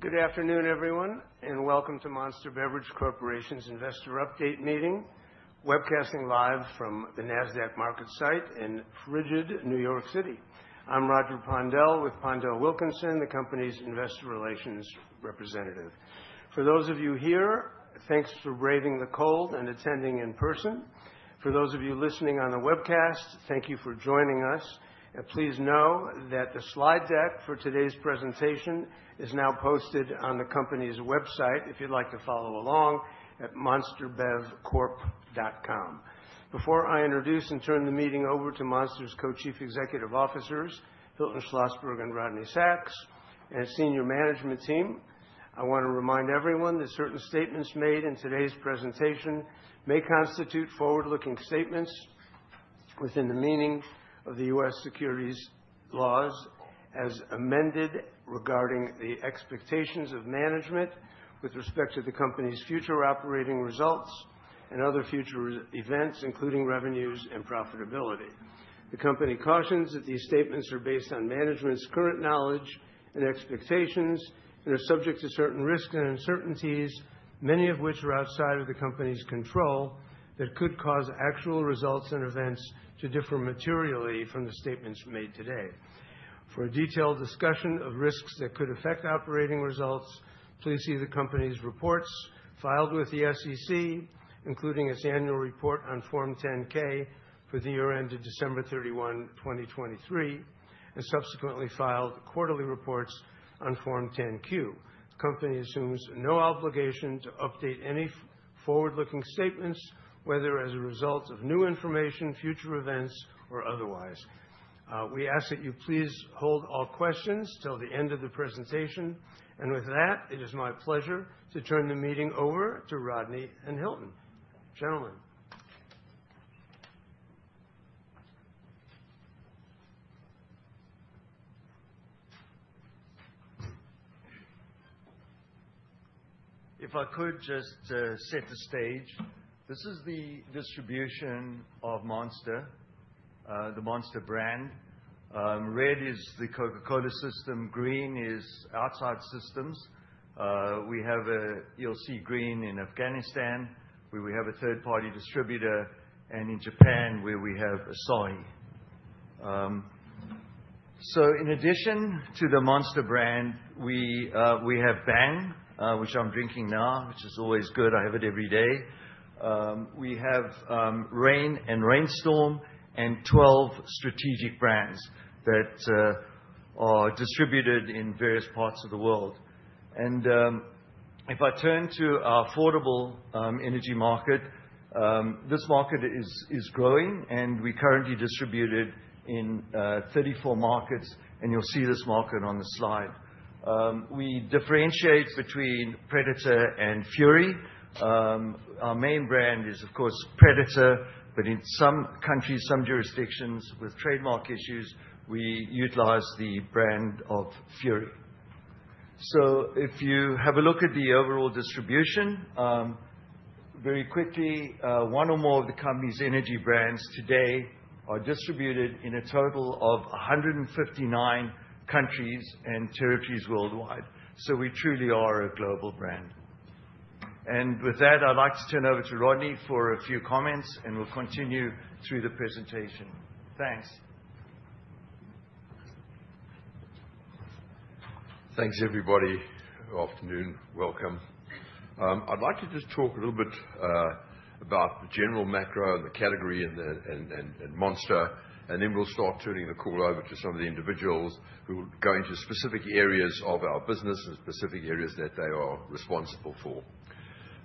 Good afternoon, everyone, and welcome to Monster Beverage Corporation's Investor Update Meeting, webcasting live from the Nasdaq MarketsSite in frigid New York City. I'm Roger Pondel with PondelWilkinson, the company's investor relations representative. For those of you here, thanks for braving the cold and attending in person. For those of you listening on the webcast, thank you for joining us. And please know that the slide deck for today's presentation is now posted on the company's website if you'd like to follow along at monsterbevcorp.com. Before I introduce and turn the meeting over to Monster's Co-Chief Executive Officers, Hilton Schlosberg, and Rodney Sacks, and senior management team, I want to remind everyone that certain statements made in today's presentation may constitute forward-looking statements within the meaning of the U.S. Securities laws as amended regarding the expectations of management with respect to the company's future operating results and other future events, including revenues and profitability. The company cautions that these statements are based on management's current knowledge and expectations and are subject to certain risks and uncertainties, many of which are outside of the company's control that could cause actual results and events to differ materially from the statements made today. For a detailed discussion of risks that could affect operating results, please see the company's reports filed with the SEC, including its annual report on Form 10-K for the year ended December 31, 2023, and subsequently filed quarterly reports on Form 10-Q. The company assumes no obligation to update any forward-looking statements, whether as a result of new information, future events, or otherwise. We ask that you please hold all questions till the end of the presentation. With that, it is my pleasure to turn the meeting over to Rodney and Hilton. Gentlemen. If I could just set the stage. This is the distribution of Monster, the Monster brand. Red is the Coca-Cola system. Green is outside systems. We have a, you'll see green in Afghanistan, where we have a third-party distributor, and in Japan, where we have Asahi. So in addition to the Monster brand, we have Bang, which I'm drinking now, which is always good. I have it every day. We have Reign and Reign Storm and 12 strategic brands that are distributed in various parts of the world. If I turn to our affordable energy market, this market is growing, and we currently distribute it in 34 markets, and you'll see this market on the slide. We differentiate between Predator and Fury. Our main brand is, of course, Predator, but in some countries, some jurisdictions with trademark issues, we utilize the brand of Fury. So if you have a look at the overall distribution, very quickly, one or more of the company's energy brands today are distributed in a total of 159 countries and territories worldwide. So we truly are a global brand. And with that, I'd like to turn over to Rodney for a few comments, and we'll continue through the presentation. Thanks. Thanks, everybody. Good afternoon. Welcome. I'd like to just talk a little bit about the general macro and the category and Monster, and then we'll start turning the call over to some of the individuals who will go into specific areas of our business and specific areas that they are responsible for.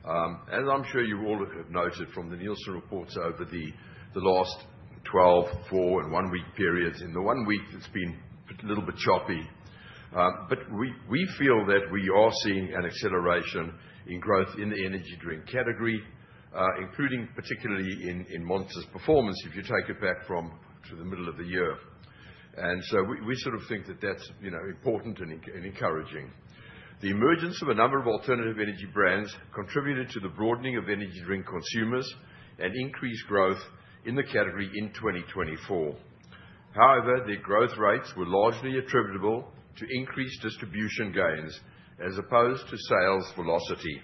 As I'm sure you all have noted from the Nielsen reports over the last 12, four, and one-week periods, in the one-week, it's been a little bit choppy. But we feel that we are seeing an acceleration in growth in the energy drink category, including particularly in Monster's performance, if you take it back to the middle of the year, and so we sort of think that that's important and encouraging. The emergence of a number of alternative energy brands contributed to the broadening of energy drink consumers and increased growth in the category in 2024. However, their growth rates were largely attributable to increased distribution gains as opposed to sales velocity,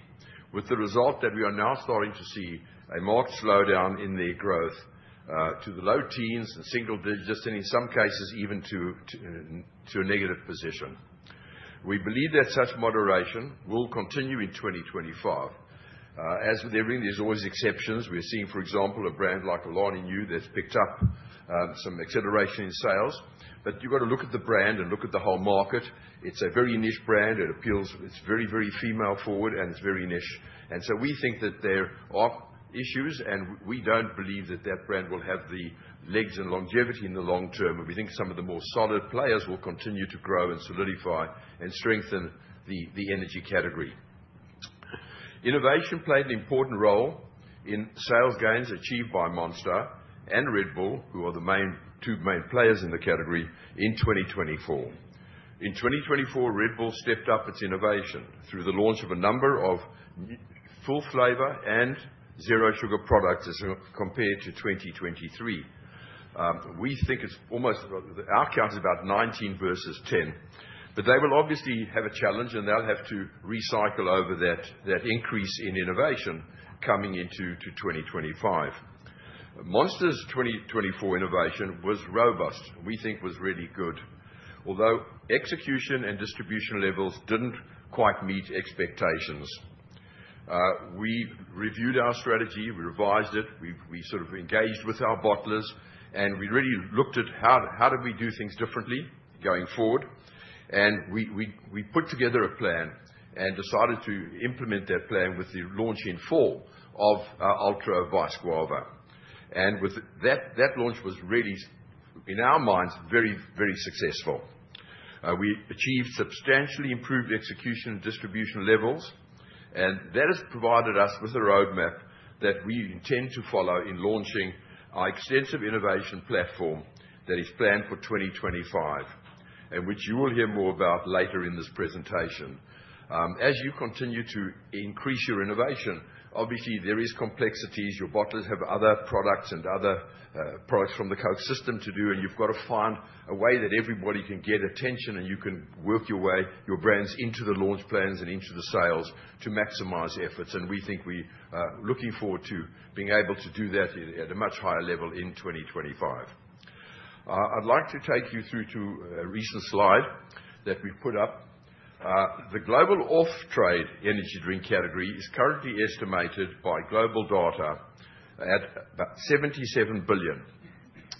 with the result that we are now starting to see a marked slowdown in their growth to the low teens and single digits, and in some cases, even to a negative position. We believe that such moderation will continue in 2025. As with everything, there's always exceptions. We're seeing, for example, a brand like Alani Nu, that's picked up some acceleration in sales. But you've got to look at the brand and look at the whole market. It's a very niche brand. It appeals. It's very, very female-forward, and it's very niche. And so we think that there are issues, and we don't believe that that brand will have the legs and longevity in the long term. We think some of the more solid players will continue to grow and solidify and strengthen the energy category. Innovation played an important role in sales gains achieved by Monster and Red Bull, who are the two main players in the category, in 2024. In 2024, Red Bull stepped up its innovation through the launch of a number of full-flavor and zero-sugar products as compared to 2023. We think it's almost our count is about 19 versus 10. But they will obviously have a challenge, and they'll have to recycle over that increase in innovation coming into 2025. Monster's 2024 innovation was robust, and we think was really good, although execution and distribution levels didn't quite meet expectations. We reviewed our strategy. We revised it. We sort of engaged with our bottlers, and we really looked at how did we do things differently going forward. We put together a plan and decided to implement that plan with the launch in fall of Ultra Vice Guava. That launch was really, in our minds, very, very successful. We achieved substantially improved execution and distribution levels, and that has provided us with a roadmap that we intend to follow in launching our extensive innovation platform that is planned for 2025, and which you will hear more about later in this presentation. As you continue to increase your innovation, obviously, there are complexities. Your bottlers have other products and other products from the Coke system to do, and you've got to find a way that everybody can get attention, and you can work your brands into the launch plans and into the sales to maximize efforts. We think we are looking forward to being able to do that at a much higher level in 2025. I'd like to take you through to a recent slide that we've put up. The global off-trade energy drink category is currently estimated by GlobalData at about $77 billion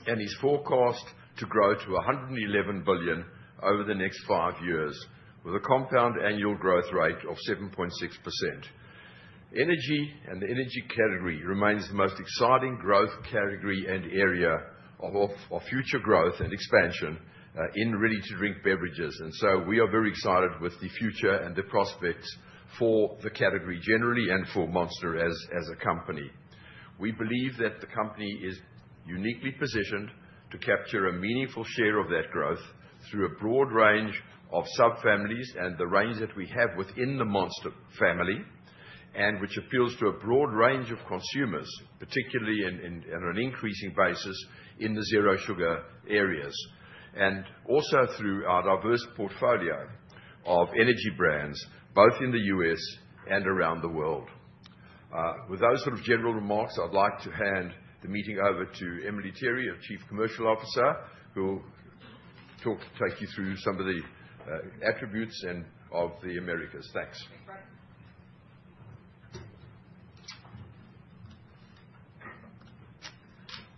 and is forecast to grow to $111 billion over the next five years, with a compound annual growth rate of 7.6%. Energy and the energy category remains the most exciting growth category and area of future growth and expansion in ready-to-drink beverages, and so we are very excited with the future and the prospects for the category generally and for Monster as a company. We believe that the company is uniquely positioned to capture a meaningful share of that growth through a broad range of sub-families and the range that we have within the Monster family, and which appeals to a broad range of consumers, particularly on an increasing basis in the zero-sugar areas, and also through our diverse portfolio of energy brands, both in the U.S. and around the world. With those sort of general remarks, I'd like to hand the meeting over to Emelie Tirre, our Chief Commercial Officer, who will take you through some of the attributes of the Americas. Thanks.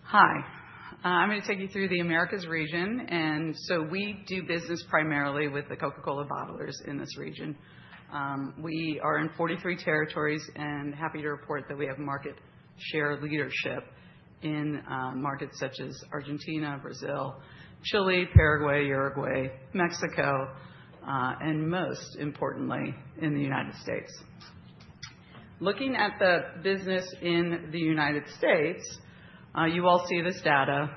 Hi. I'm going to take you through the Americas region. And so we do business primarily with the Coca-Cola bottlers in this region. We are in 43 territories and happy to report that we have market share leadership in markets such as Argentina, Brazil, Chile, Paraguay, Uruguay, Mexico, and most importantly, in the United States. Looking at the business in the United States, you all see this data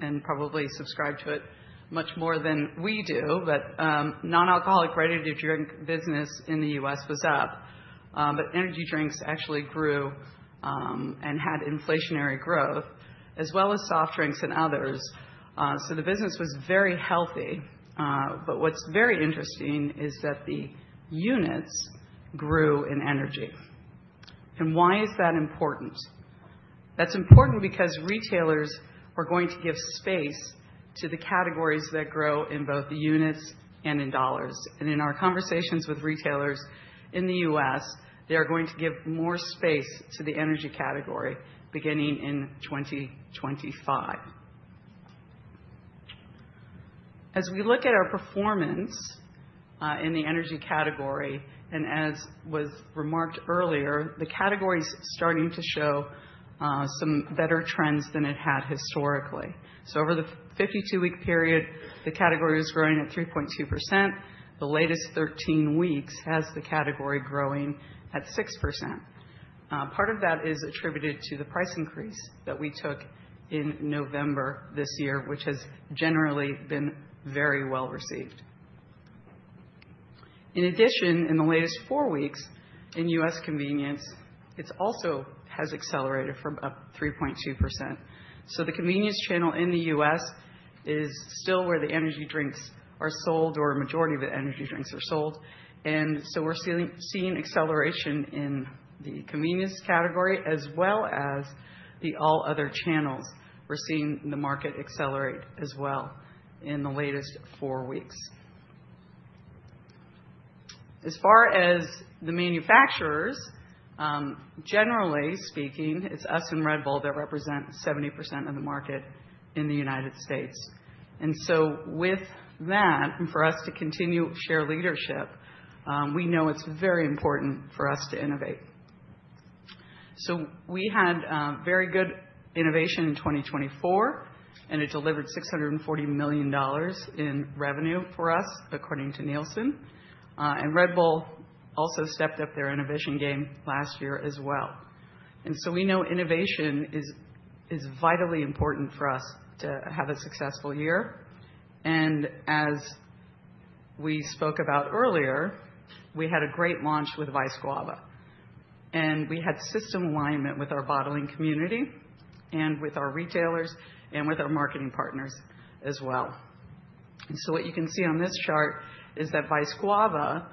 and probably subscribe to it much more than we do, but non-alcoholic ready-to-drink business in the U.S. was up. But energy drinks actually grew and had inflationary growth, as well as soft drinks and others. So the business was very healthy. But what's very interesting is that the units grew in energy. And why is that important? That's important because retailers are going to give space to the categories that grow in both the units and in dollars. In our conversations with retailers in the U.S., they are going to give more space to the energy category beginning in 2025. As we look at our performance in the energy category, and as was remarked earlier, the category is starting to show some better trends than it had historically. Over the 52-week period, the category was growing at 3.2%. The latest 13 weeks has the category growing at 6%. Part of that is attributed to the price increase that we took in November this year, which has generally been very well received. In addition, in the latest four weeks, in U.S. convenience, it also has accelerated from up 3.2%. The convenience channel in the U.S. is still where the energy drinks are sold, or a majority of the energy drinks are sold. And so we're seeing acceleration in the convenience category, as well as the all-other channels. We're seeing the market accelerate as well in the latest four weeks. As far as the manufacturers, generally speaking, it's us and Red Bull that represent 70% of the market in the United States. And so with that, and for us to continue share leadership, we know it's very important for us to innovate. So we had very good innovation in 2024, and it delivered $640 million in revenue for us, according to Nielsen. And Red Bull also stepped up their innovation game last year as well. And so we know innovation is vitally important for us to have a successful year. And as we spoke about earlier, we had a great launch with Vice Guava. We had system alignment with our bottling community and with our retailers and with our marketing partners as well. What you can see on this chart is that Vice Guava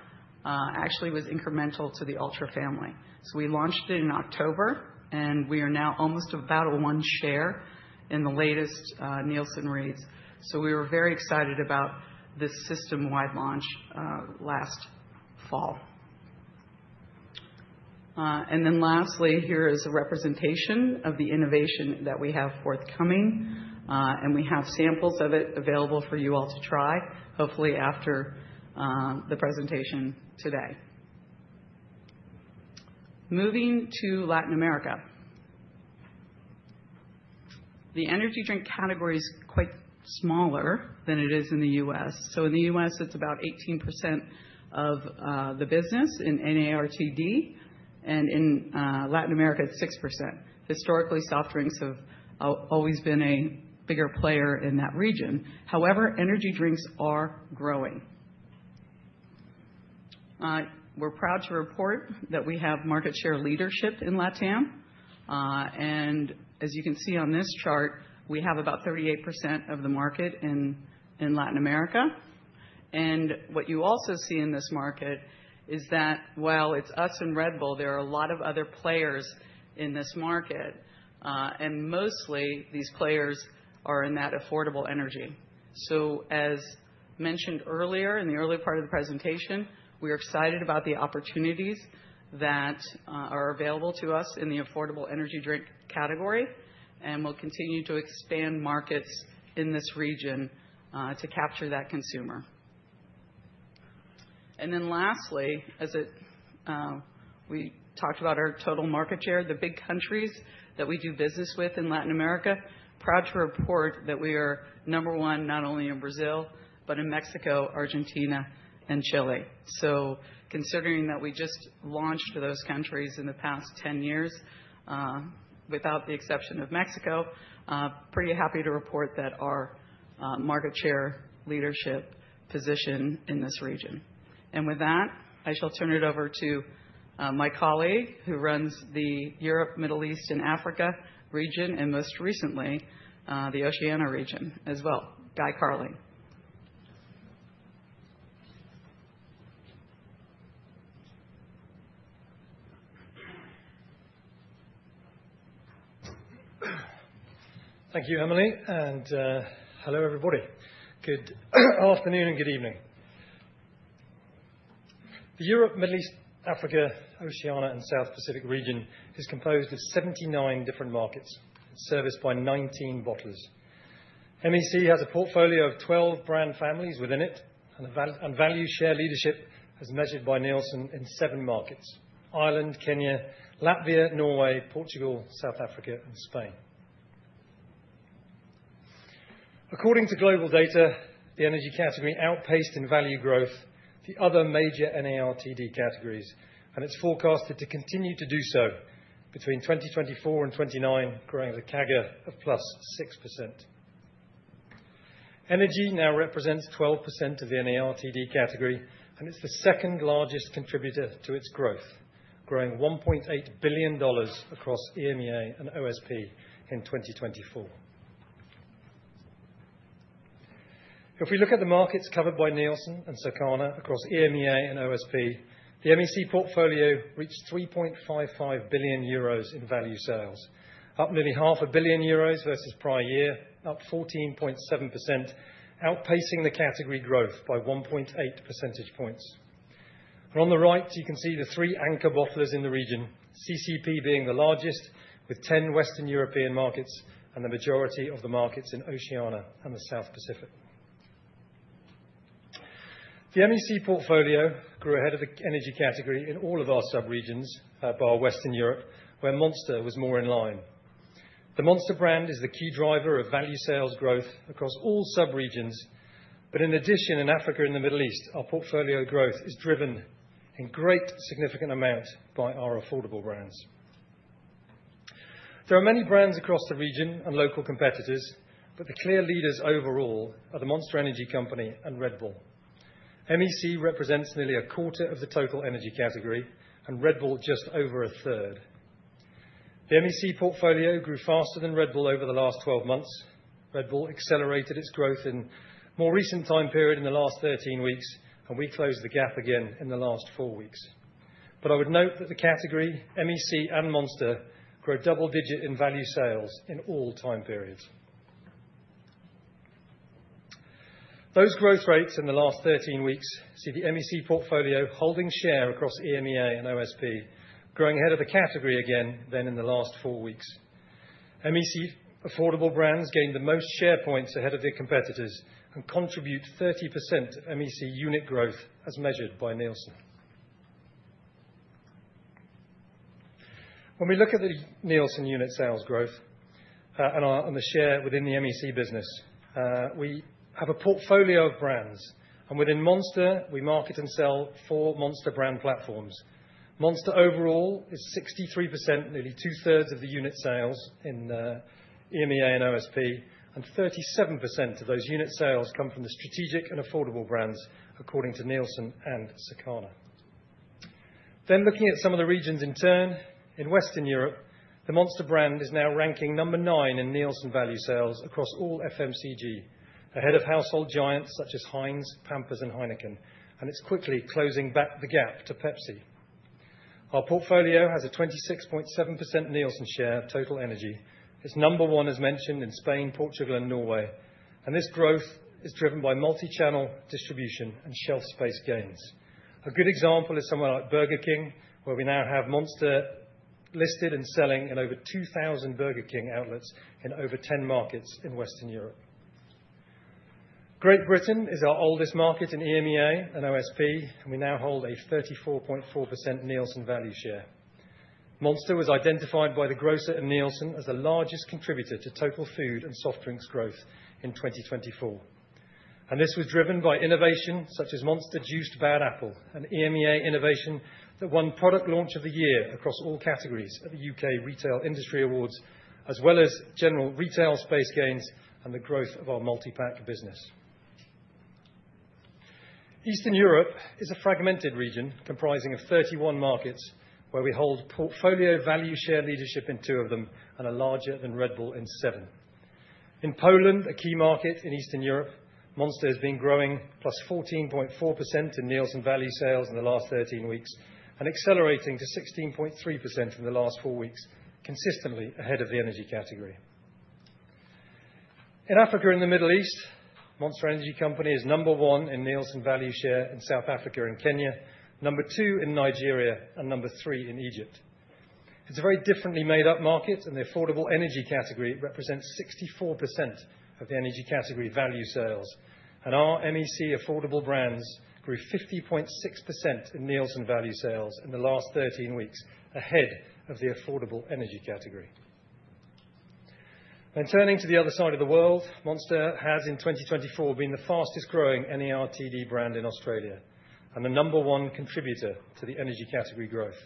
actually was incremental to the Ultra family. We launched it in October, and we are now almost about a 1% share in the latest Nielsen rates. We were very excited about this system-wide launch last fall. Then lastly, here is a representation of the innovation that we have forthcoming, and we have samples of it available for you all to try, hopefully after the presentation today. Moving to Latin America. The energy drink category is quite smaller than it is in the U.S. In the U.S., it's about 18% of the business in NARTD, and in Latin America, it's 6%. Historically, soft drinks have always been a bigger player in that region. However, energy drinks are growing. We're proud to report that we have market share leadership in LATAM. And as you can see on this chart, we have about 38% of the market in Latin America. And what you also see in this market is that while it's us and Red Bull, there are a lot of other players in this market, and mostly these players are in that affordable energy. So as mentioned earlier in the earlier part of the presentation, we are excited about the opportunities that are available to us in the affordable energy drink category, and we'll continue to expand markets in this region to capture that consumer. And then lastly, as we talked about our total market share, the big countries that we do business with in Latin America. Proud to report that we are number one not only in Brazil, but in Mexico, Argentina, and Chile. So considering that we just launched to those countries in the past 10 years, without the exception of Mexico, pretty happy to report that our market share leadership position in this region. And with that, I shall turn it over to my colleague who runs the Europe, Middle East, and Africa region, and most recently, the Oceania region as well. Guy Carling. Thank you, Emelie. Hello, everybody. Good afternoon and good evening. The Europe, Middle East, Africa, Oceania, and South Pacific region is composed of 79 different markets and serviced by 19 bottlers. MEC has a portfolio of 12 brand families within it, and value share leadership is measured by Nielsen in seven markets: Ireland, Kenya, Latvia, Norway, Portugal, South Africa, and Spain. According to GlobalData, the energy category outpaced in value growth the other major NARTD categories, and it's forecasted to continue to do so between 2024 and 2029, growing at a CAGR of plus 6%. Energy now represents 12% of the NARTD category, and it's the second largest contributor to its growth, growing $1.8 billion across EMEA and OSP in 2024. If we look at the markets covered by Nielsen and Circana across EMEA and OSP, the MEC portfolio reached 3.55 billion euros in value sales, up nearly 500 million euros versus prior year, up 14.7%, outpacing the category growth by 1.8 percentage points. On the right, you can see the three anchor bottlers in the region, CCEP being the largest, with 10 Western European markets and the majority of the markets in Oceania and the South Pacific. The MEC portfolio grew ahead of the energy category in all of our sub-regions but in Western Europe, where Monster was more in line. The Monster brand is the key driver of value sales growth across all sub-regions, but in addition, in Africa and the Middle East, our portfolio growth is driven in a significant amount by our affordable brands. There are many brands across the region and local competitors, but the clear leaders overall are the Monster Energy Company and Red Bull. MEC represents nearly a quarter of the total energy category, and Red Bull just over a third. The MEC portfolio grew faster than Red Bull over the last 12 months. Red Bull accelerated its growth in a more recent time period in the last 13 weeks, and we closed the gap again in the last four weeks. But I would note that the category, MEC and Monster, grow double-digit in value sales in all time periods. Those growth rates in the last 13 weeks see the MEC portfolio holding share across EMEA and OSP, growing ahead of the category again than in the last four weeks. MEC affordable brands gained the most share points ahead of their competitors and contribute 30% of MEC unit growth as measured by Nielsen. When we look at the Nielsen unit sales growth and the share within the MEC business, we have a portfolio of brands, and within Monster, we market and sell four Monster brand platforms. Monster overall is 63%, nearly two-thirds of the unit sales in EMEA and OSP, and 37% of those unit sales come from the strategic and affordable brands, according to Nielsen and Circana. Then looking at some of the regions in turn, in Western Europe, the Monster brand is now ranking number nine in Nielsen value sales across all FMCG, ahead of household giants such as Heinz, Pampers, and Heineken, and it's quickly closing the gap to Pepsi. Our portfolio has a 26.7% Nielsen share of total energy. It's number one, as mentioned, in Spain, Portugal, and Norway, and this growth is driven by multi-channel distribution and shelf space gains. A good example is somewhere like Burger King, where we now have Monster listed and selling in over 2,000 Burger King outlets in over 10 markets in Western Europe. Great Britain is our oldest market in EMEA and OSP, and we now hold a 34.4% Nielsen value share. Monster was identified by The Grocer and Nielsen as the largest contributor to total food and soft drinks growth in 2024. This was driven by innovation such as Monster Juiced Bad Apple, an EMEA innovation that won product launch of the year across all categories at the UK Retail Industry Awards, as well as general retail space gains and the growth of our multi-pack business. Eastern Europe is a fragmented region comprising of 31 markets, where we hold portfolio value share leadership in two of them and are larger than Red Bull in seven. In Poland, a key market in Eastern Europe, Monster has been growing plus 14.4% in Nielsen value sales in the last 13 weeks and accelerating to 16.3% in the last four weeks, consistently ahead of the energy category. In Africa and the Middle East, Monster Energy Company is number one in Nielsen value share in South Africa and Kenya, number two in Nigeria, and number three in Egypt. It's a very differently made-up market, and the affordable energy category represents 64% of the energy category value sales, and our MEC affordable brands grew 50.6% in Nielsen value sales in the last 13 weeks, ahead of the affordable energy category. Then turning to the other side of the world, Monster has in 2024 been the fastest-growing NARTD brand in Australia and the number one contributor to the energy category growth.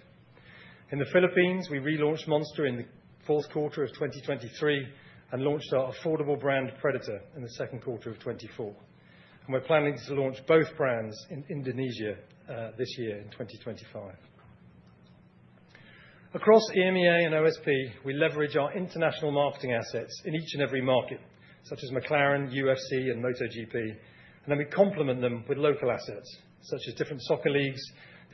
In the Philippines, we relaunched Monster in the fourth quarter of 2023 and launched our affordable brand Predator in the second quarter of 2024. And we're planning to launch both brands in Indonesia this year in 2025. Across EMEA and OSP, we leverage our international marketing assets in each and every market, such as McLaren, UFC, and MotoGP, and then we complement them with local assets, such as different soccer leagues,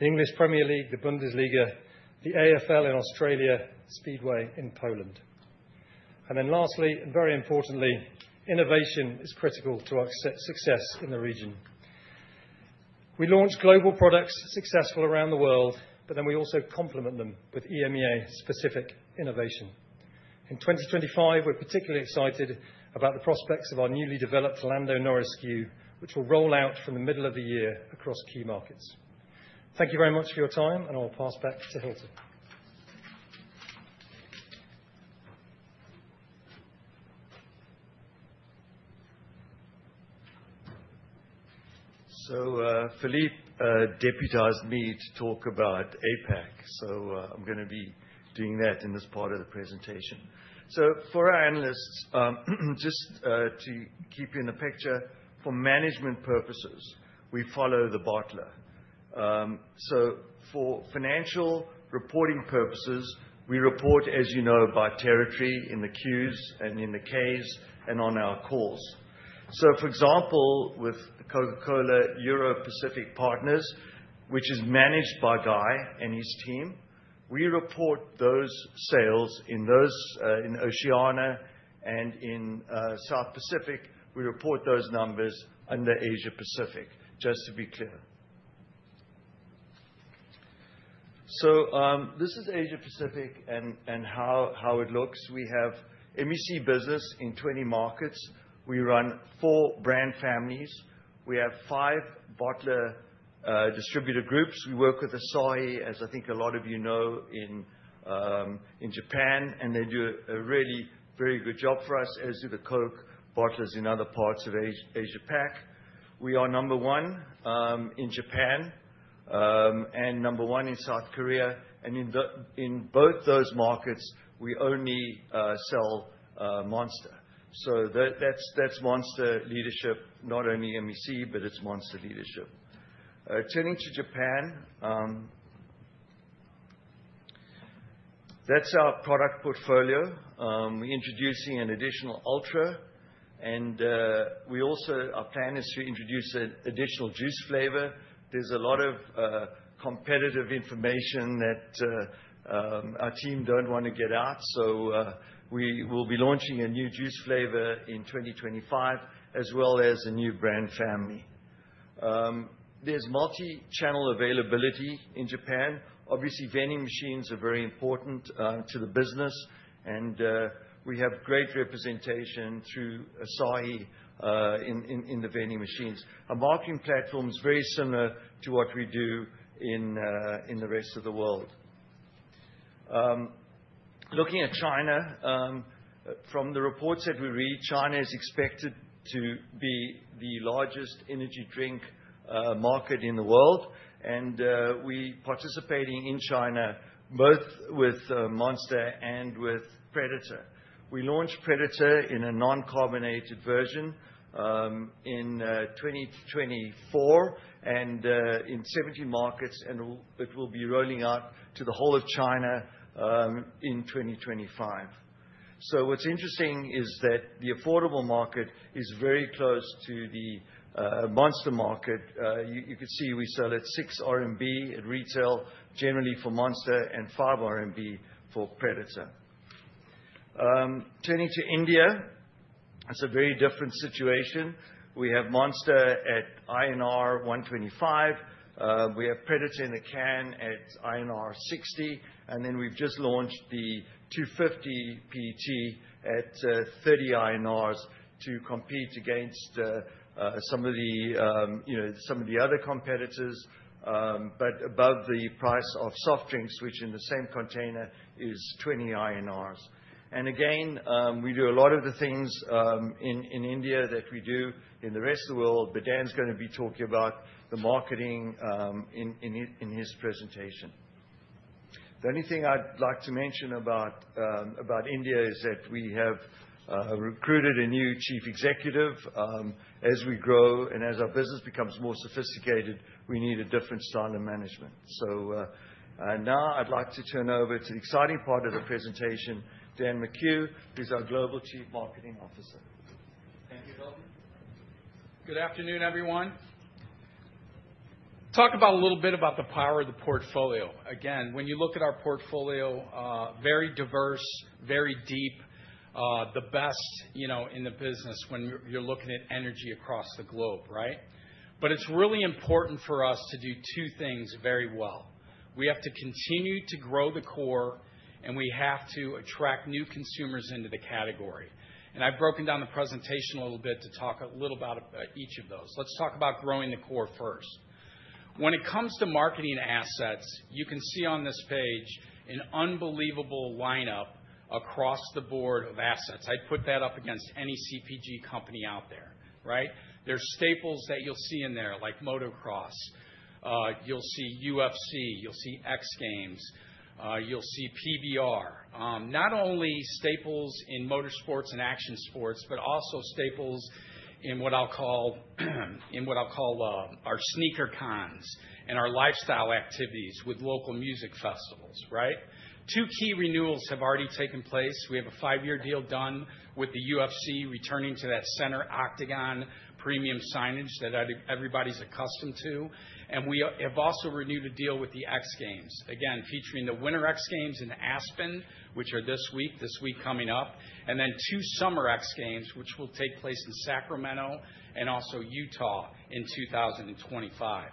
the English Premier League, the Bundesliga, the AFL in Australia, Speedway in Poland. And then lastly, and very importantly, innovation is critical to our success in the region. We launch global products successful around the world, but then we also complement them with EMEA-specific innovation. In 2025, we're particularly excited about the prospects of our newly developed Lando Norris SKU, which will roll out from the middle of the year across key markets. Thank you very much for your time, and I'll pass back to Hilton. So Philippe deputized me to talk about APAC, so I'm going to be doing that in this part of the presentation. So for our analysts, just to keep you in the picture, for management purposes, we follow the bottler. So for financial reporting purposes, we report, as you know, by territory in the Qs and in the Ks and on our calls. So for example, with Coca-Cola Europacific Partners, which is managed by Guy and his team, we report those sales in Oceania and in South Pacific. We report those numbers under Asia Pacific, just to be clear. So this is Asia Pacific and how it looks. We have MEC business in 20 markets. We run four brand families. We have five bottler distributor groups. We work with Asahi, as I think a lot of you know, in Japan, and they do a really very good job for us, as do the Coke bottlers in other parts of Asia Pacific. We are number one in Japan and number one in South Korea, and in both those markets, we only sell Monster. So that's Monster leadership, not only MEC, but it's Monster leadership. Turning to Japan, that's our product portfolio. We're introducing an additional Ultra, and our plan is to introduce an additional juice flavor. There's a lot of competitive information that our team don't want to get out, so we will be launching a new juice flavor in 2025, as well as a new brand family. There's multi-channel availability in Japan. Obviously, vending machines are very important to the business, and we have great representation through Asahi in the vending machines. Our marketing platform is very similar to what we do in the rest of the world. Looking at China, from the reports that we read, China is expected to be the largest energy drink market in the world, and we are participating in China, both with Monster and with Predator. We launched Predator in a non-carbonated version in 2024 and in 17 markets, and it will be rolling out to the whole of China in 2025. So what's interesting is that the affordable market is very close to the Monster market. You can see we sell at 6 RMB at retail, generally for Monster, and 5 RMB for Predator. Turning to India, it's a very different situation. We have Monster at INR 125. We have Predator in a can at INR 60, and then we've just launched the 250 PET at 30 INR to compete against some of the other competitors, but above the price of soft drinks, which in the same container is 20 INR, and again, we do a lot of the things in India that we do in the rest of the world, but Dan's going to be talking about the marketing in his presentation. The only thing I'd like to mention about India is that we have recruited a new chief executive. As we grow and as our business becomes more sophisticated, we need a different style of management, so now I'd like to turn over to the exciting part of the presentation, Dan McHugh, who's our Global Chief Marketing Officer. Thank you, Hilton. Good afternoon, everyone. Talk about a little bit about the power of the portfolio. Again, when you look at our portfolio, very diverse, very deep, the best in the business when you're looking at energy across the globe, right? But it's really important for us to do two things very well. We have to continue to grow the core, and we have to attract new consumers into the category. And I've broken down the presentation a little bit to talk a little about each of those. Let's talk about growing the core first. When it comes to marketing assets, you can see on this page an unbelievable lineup across the board of assets. I'd put that up against any CPG company out there, right? There's staples that you'll see in there, like Motocross. You'll see UFC. You'll see X Games. You'll see PBR. Not only staples in motorsports and action sports, but also staples in what I'll call our sneaker cons and our lifestyle activities with local music festivals, right? Two key renewals have already taken place. We have a five-year deal done with the UFC, returning to that center octagon premium signage that everybody's accustomed to, and we have also renewed a deal with the X Games, again, featuring the winter X Games in Aspen, which are this week, this week coming up, and then two summer X Games, which will take place in Sacramento and also Utah in 2025.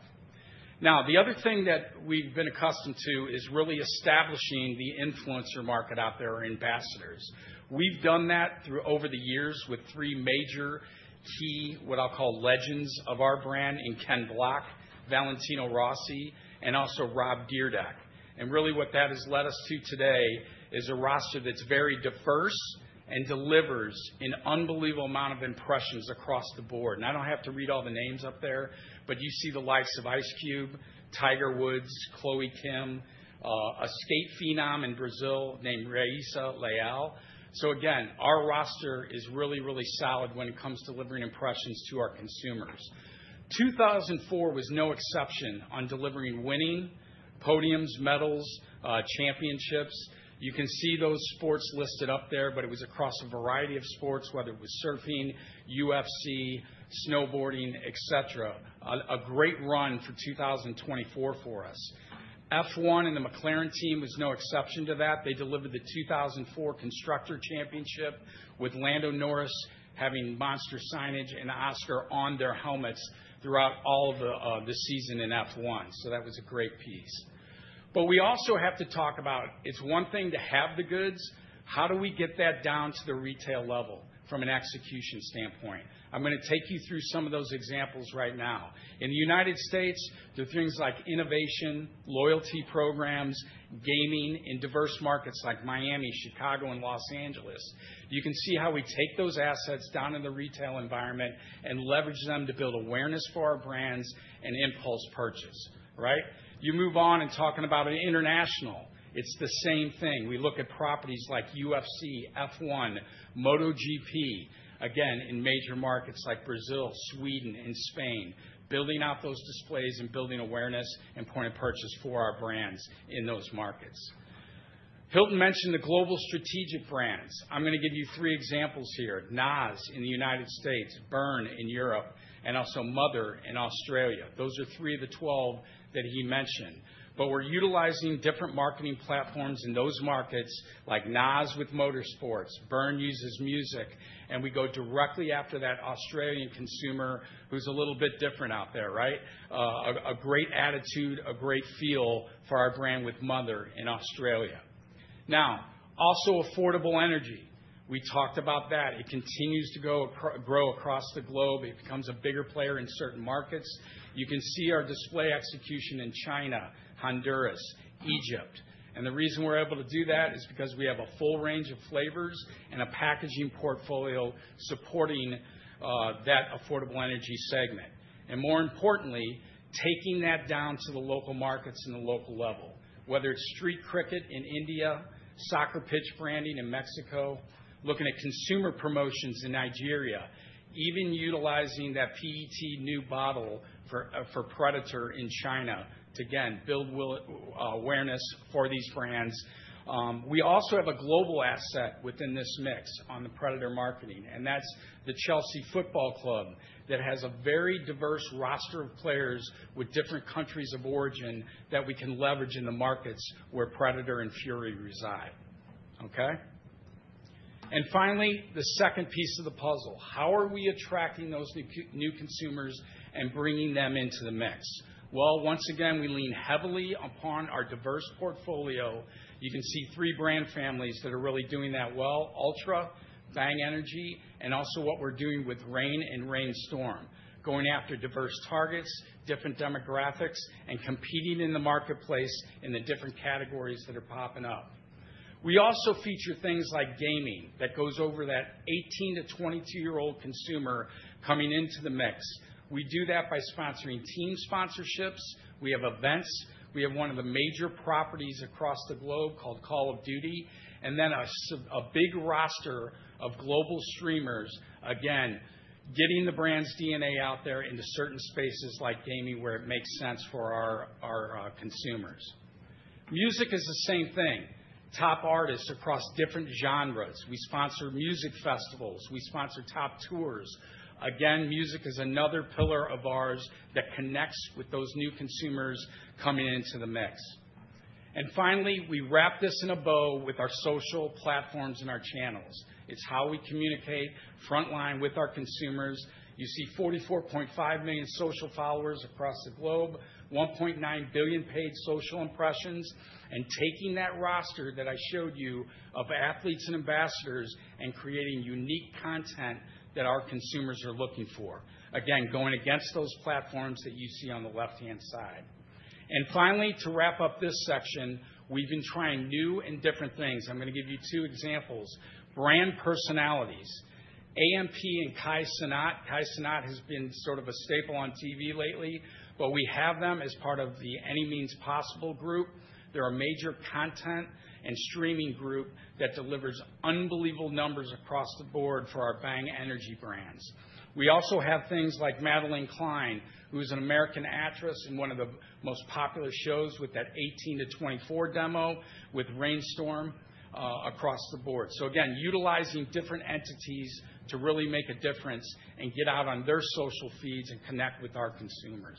Now, the other thing that we've been accustomed to is really establishing the influencer market out there or ambassadors. We've done that through over the years with three major key, what I'll call legends of our brand in Ken Block, Valentino Rossi, and also Rob Dyrdek. Really what that has led us to today is a roster that's very diverse and delivers an unbelievable amount of impressions across the board. I don't have to read all the names up there, but you see the likes of Ice Cube, Tiger Woods, Chloe Kim, a skate phenom in Brazil named Raíssa Leal. Again, our roster is really, really solid when it comes to delivering impressions to our consumers. 2024 was no exception on delivering winning podiums, medals, championships. You can see those sports listed up there, but it was across a variety of sports, whether it was surfing, UFC, snowboarding, etc. It was a great run for 2024 for us. F1 and the McLaren team was no exception to that. They delivered the 2024 Constructor Championship with Lando Norris having Monster signage and Oscar on their helmets throughout all of the season in F1. That was a great piece. But we also have to talk about it's one thing to have the goods. How do we get that down to the retail level from an execution standpoint? I'm going to take you through some of those examples right now. In the United States, there are things like innovation, loyalty programs, gaming in diverse markets like Miami, Chicago, and Los Angeles. You can see how we take those assets down in the retail environment and leverage them to build awareness for our brands and impulse purchase, right? You move on and talking about an international, it's the same thing. We look at properties like UFC, F1, MotoGP, again, in major markets like Brazil, Sweden, and Spain, building out those displays and building awareness and point of purchase for our brands in those markets. Hilton mentioned the global strategic brands. I'm going to give you three examples here: NOS in the United States, Burn in Europe, and also Mother in Australia. Those are three of the 12 that he mentioned. But we're utilizing different marketing platforms in those markets, like NOS with motorsports, Burn uses music, and we go directly after that Australian consumer who's a little bit different out there, right? A great attitude, a great feel for our brand with Mother in Australia. Now, also affordable energy. We talked about that. It continues to grow across the globe. It becomes a bigger player in certain markets. You can see our display execution in China, Honduras, Egypt, and the reason we're able to do that is because we have a full range of flavors and a packaging portfolio supporting that affordable energy segment. And more importantly, taking that down to the local markets and the local level, whether it's street cricket in India, soccer pitch branding in Mexico, looking at consumer promotions in Nigeria, even utilizing that PET new bottle for Predator in China to, again, build awareness for these brands. We also have a global asset within this mix on the Predator marketing, and that's the Chelsea Football Club that has a very diverse roster of players with different countries of origin that we can leverage in the markets where Predator and Fury reside, okay? And finally, the second piece of the puzzle. How are we attracting those new consumers and bringing them into the mix? Well, once again, we lean heavily upon our diverse portfolio. You can see three brand families that are really doing that well: Ultra, Bang Energy, and also what we're doing with Reign and Reign Storm, going after diverse targets, different demographics, and competing in the marketplace in the different categories that are popping up. We also feature things like gaming that goes over that 18 to 22-year-old consumer coming into the mix. We do that by sponsoring team sponsorships. We have events. We have one of the major properties across the globe called Call of Duty, and then a big roster of global streamers, again, getting the brand's DNA out there into certain spaces like gaming where it makes sense for our consumers. Music is the same thing. Top artists across different genres. We sponsor music festivals. We sponsor top tours. Again, music is another pillar of ours that connects with those new consumers coming into the mix. And finally, we wrap this in a bow with our social platforms and our channels. It's how we communicate frontline with our consumers. You see 44.5 million social followers across the globe, 1.9 billion paid social impressions, and taking that roster that I showed you of athletes and ambassadors and creating unique content that our consumers are looking for. Again, going against those platforms that you see on the left-hand side. And finally, to wrap up this section, we've been trying new and different things. I'm going to give you two examples. Brand personalities. AMP and Kai Cenat. Kai Cenat has been sort of a staple on TV lately, but we have them as part of the Any Means Possible group. They're a major content and streaming group that delivers unbelievable numbers across the board for our Bang Energy brands. We also have things like Madelyn Cline, who's an American actress in one of the most popular shows with that 18 to 24 demo with Reign Storm across the board. So again, utilizing different entities to really make a difference and get out on their social feeds and connect with our consumers.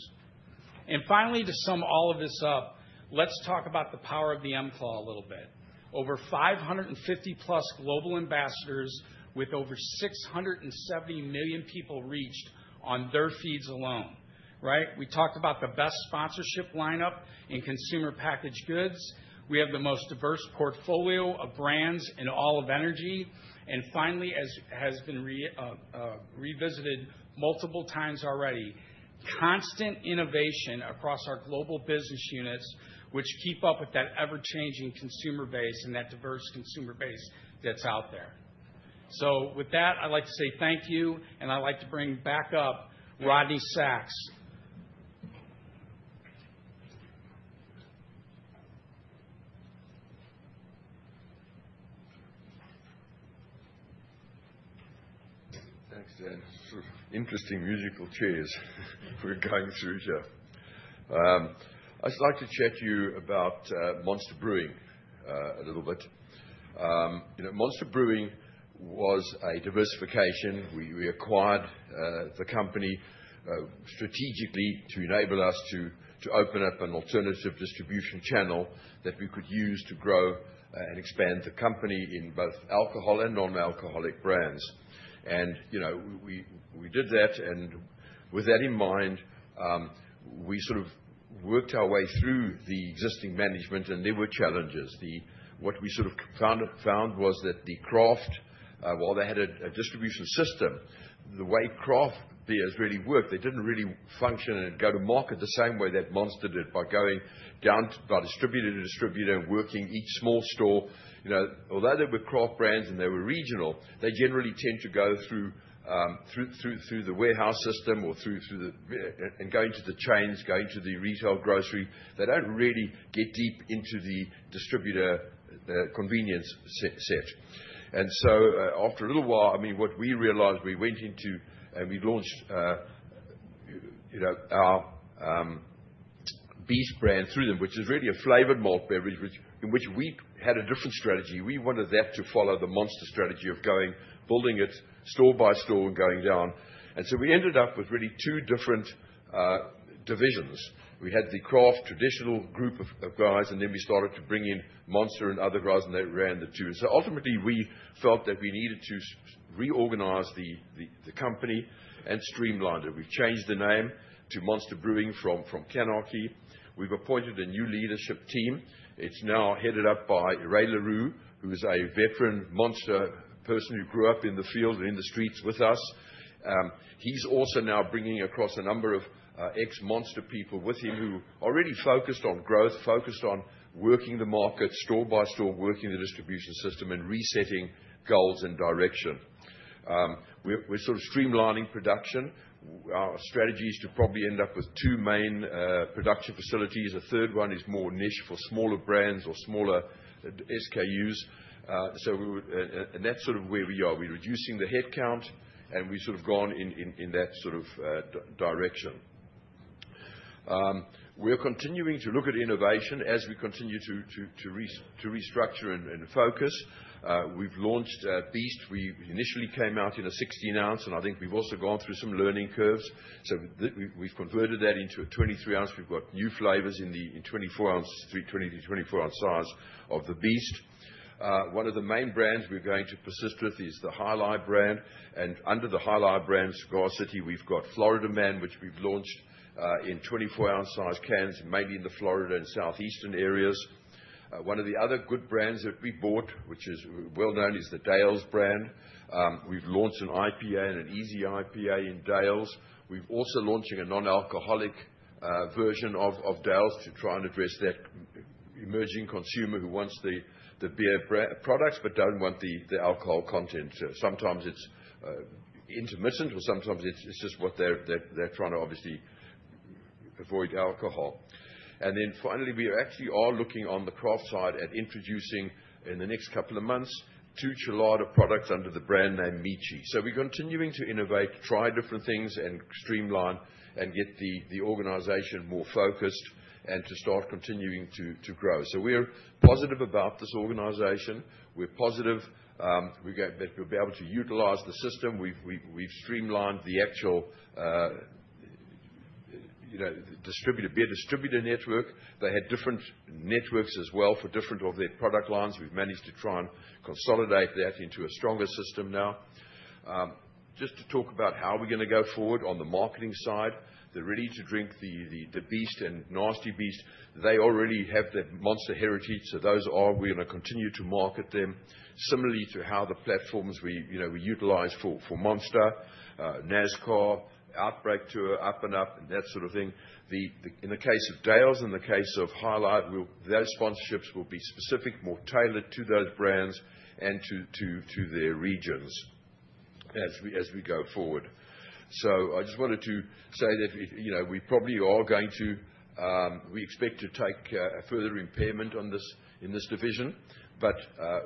And finally, to sum all of this up, let's talk about the power of the M-Claw a little bit. Over 550+ global ambassadors with over 670 million people reached on their feeds alone, right? We talked about the best sponsorship lineup in consumer packaged goods. We have the most diverse portfolio of brands in all of energy. And finally, as has been revisited multiple times already, constant innovation across our global business units, which keep up with that ever-changing consumer base and that diverse consumer base that's out there. So with that, I'd like to say thank you, and I'd like to bring back up Rodney Sacks. Thanks, Dan. Sort of interesting musical chairs we're going through here. I'd like to chat to you about Monster Brewing a little bit. Monster Brewing was a diversification. We acquired the company strategically to enable us to open up an alternative distribution channel that we could use to grow and expand the company in both alcohol and non-alcoholic brands, and we did that, and with that in mind, we sort of worked our way through the existing management, and there were challenges. What we sort of found was that the craft, while they had a distribution system, the way craft beers really worked, they didn't really function and go to market the same way that Monster did by going down by distributor to distributor and working each small store. Although they were craft brands and they were regional, they generally tend to go through the warehouse system or through, and going to the chains, going to the retail grocery. They don't really get deep into the distributor convenience set. And so after a little while, I mean, what we realized, we went into and we launched our Beast brand through them, which is really a flavored malt beverage, in which we had a different strategy. We wanted that to follow the Monster strategy of going, building it store by store and going down. And so we ended up with really two different divisions. We had the craft traditional group of guys, and then we started to bring in Monster and other guys, and they ran the two. And so ultimately, we felt that we needed to reorganize the company and streamline it. We've changed the name to Monster Brewing from CANarchy. We've appointed a new leadership team. It's now headed up by Ray LeRoux, who is a veteran Monster person who grew up in the field and in the streets with us. He's also now bringing across a number of ex-Monster people with him who are really focused on growth, focused on working the market, store by store, working the distribution system, and resetting goals and direction. We're sort of streamlining production. Our strategy is to probably end up with two main production facilities. A third one is more niche for smaller brands or smaller SKUs. And that's sort of where we are. We're reducing the headcount, and we've sort of gone in that sort of direction. We're continuing to look at innovation as we continue to restructure and focus. We've launched The Beast. We initially came out in a 16-ounce, and I think we've also gone through some learning curves, so we've converted that into a 23-ounce. We've got new flavors in the 24-ounce size of the Beast. One of the main brands we're going to persist with is the Jai Alai brand, and under the Jai Alai brand, Cigar City, we've got Florida Man, which we've launched in 24-ounce size cans, mainly in the Florida and southeastern areas. One of the other good brands that we bought, which is well known, is the Dale's brand. We've launched an IPA and an Easy IPA in Dale's. We're also launching a non-alcoholic version of Dale's to try and address that emerging consumer who wants the beer products but doesn't want the alcohol content. Sometimes it's intermittent, or sometimes it's just what they're trying to obviously avoid alcohol. And then finally, we are actually all looking on the craft side at introducing in the next couple of months two chelada products under the brand name Michi. So we're continuing to innovate, try different things, and streamline and get the organization more focused and to start continuing to grow. So we're positive about this organization. We're positive that we'll be able to utilize the system. We've streamlined the actual distributor beer distributor network. They had different networks as well for different of their product lines. We've managed to try and consolidate that into a stronger system now. Just to talk about how we're going to go forward on the marketing side. There are ready-to-drink The Beast and Nasty Beast. They already have the Monster Heritage, so those, we're going to continue to market them. Similarly to how the platforms we utilize for Monster, NASCAR Outbreak Tour, Up and Up, and that sort of thing. In the case of Dale's and the case of Jai Alai, those sponsorships will be specific, more tailored to those brands and to their regions as we go forward. I just wanted to say that we probably are going to expect to take a further impairment in this division, but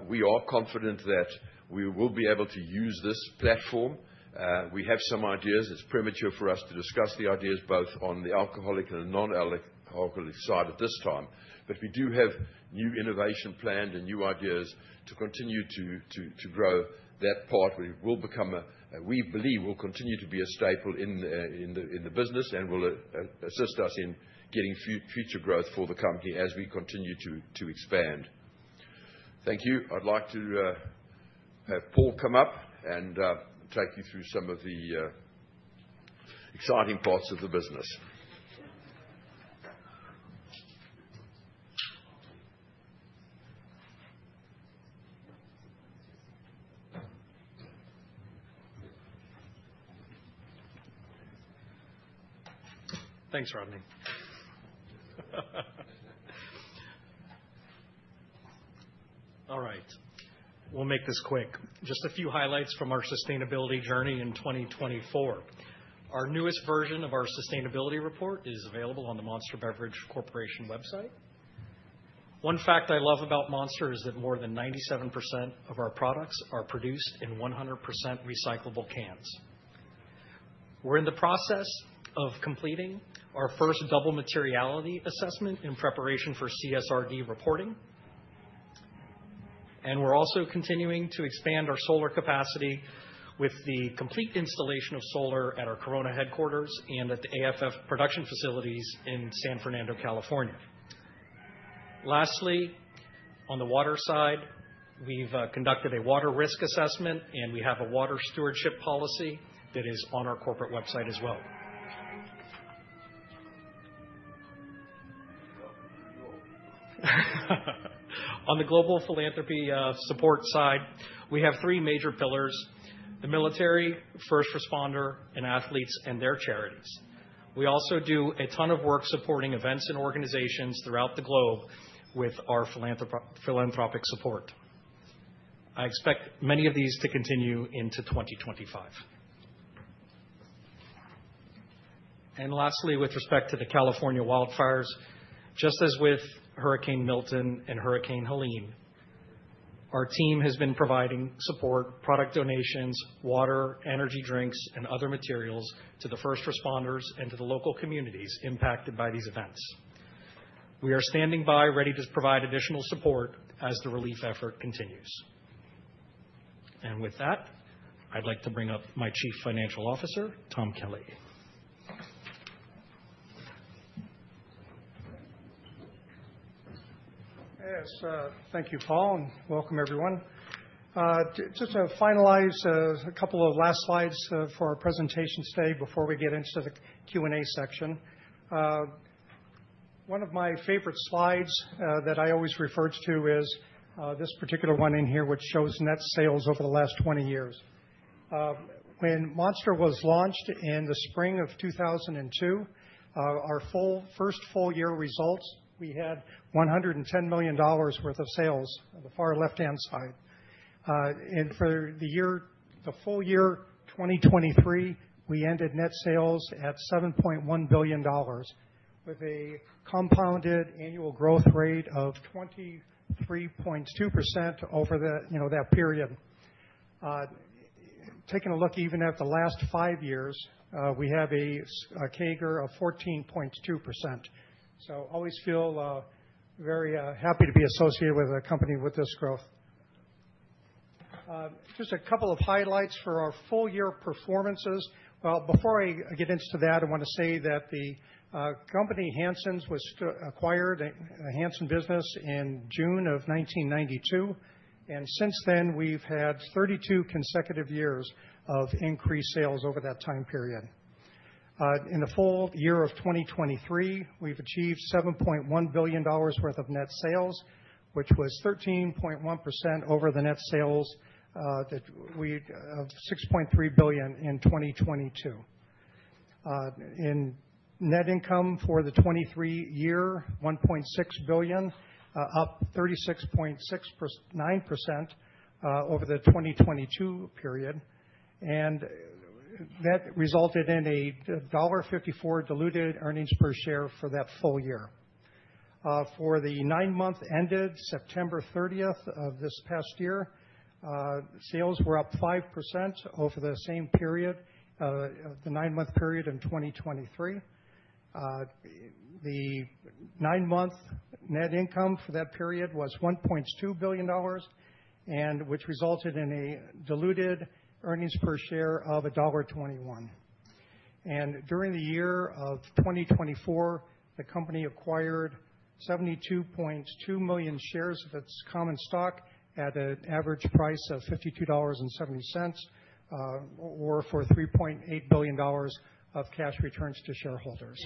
we are confident that we will be able to use this platform. We have some ideas. It's premature for us to discuss the ideas both on the alcoholic and non-alcoholic side at this time. We do have new innovation planned and new ideas to continue to grow that part. We believe we'll continue to be a staple in the business and will assist us in getting future growth for the company as we continue to expand. Thank you. I'd like to have Paul come up and take you through some of the exciting parts of the business. Thanks, Rodney. All right. We'll make this quick. Just a few highlights from our sustainability journey in 2024. Our newest version of our sustainability report is available on the Monster Beverage Corporation website. One fact I love about Monster is that more than 97% of our products are produced in 100% recyclable cans. We're in the process of completing our first double materiality assessment in preparation for CSRD reporting, and we're also continuing to expand our solar capacity with the complete installation of solar at our Corona headquarters and at the AFF production facilities in San Fernando, California. Lastly, on the water side, we've conducted a water risk assessment, and we have a water stewardship policy that is on our corporate website as well. On the global philanthropy support side, we have three major pillars: the military, first responder, and athletes and their charities. We also do a ton of work supporting events and organizations throughout the globe with our philanthropic support. I expect many of these to continue into 2025. And lastly, with respect to the California wildfires, just as with Hurricane Milton and Hurricane Helene, our team has been providing support, product donations, water, energy drinks, and other materials to the first responders and to the local communities impacted by these events. We are standing by, ready to provide additional support as the relief effort continues. And with that, I'd like to bring up my Chief Financial Officer, Tom Kelly. Yes. Thank you, Paul, and welcome, everyone. Just to finalize a couple of last slides for our presentation today before we get into the Q&A section. One of my favorite slides that I always refer to is this particular one in here, which shows net sales over the last 20 years. When Monster was launched in the spring of 2002, our first full-year results, we had $110 million worth of sales on the far left-hand side, and for the full year 2023, we ended net sales at $7.1 billion with a compounded annual growth rate of 23.2% over that period. Taking a look even at the last five years, we have a CAGR of 14.2%, so I always feel very happy to be associated with a company with this growth. Just a couple of highlights for our full-year performances. Before I get into that, I want to say that the company Hansen's was acquired, Hansen's business, in June of 1992. Since then, we've had 32 consecutive years of increased sales over that time period. In the full year of 2023, we've achieved $7.1 billion worth of net sales, which was 13.1% over the net sales of $6.3 billion in 2022. In net income for the 2023 year, $1.6 billion, up 36.9% over the 2022 period. That resulted in a $1.54 diluted earnings per share for that full year. For the nine-month ended September 30th of this past year, sales were up 5% over the same period, the nine-month period in 2023. The nine-month net income for that period was $1.2 billion, which resulted in a diluted earnings per share of $1.21. During the year of 2024, the company acquired 72.2 million shares of its common stock at an average price of $52.70 or for $3.8 billion of cash returns to shareholders.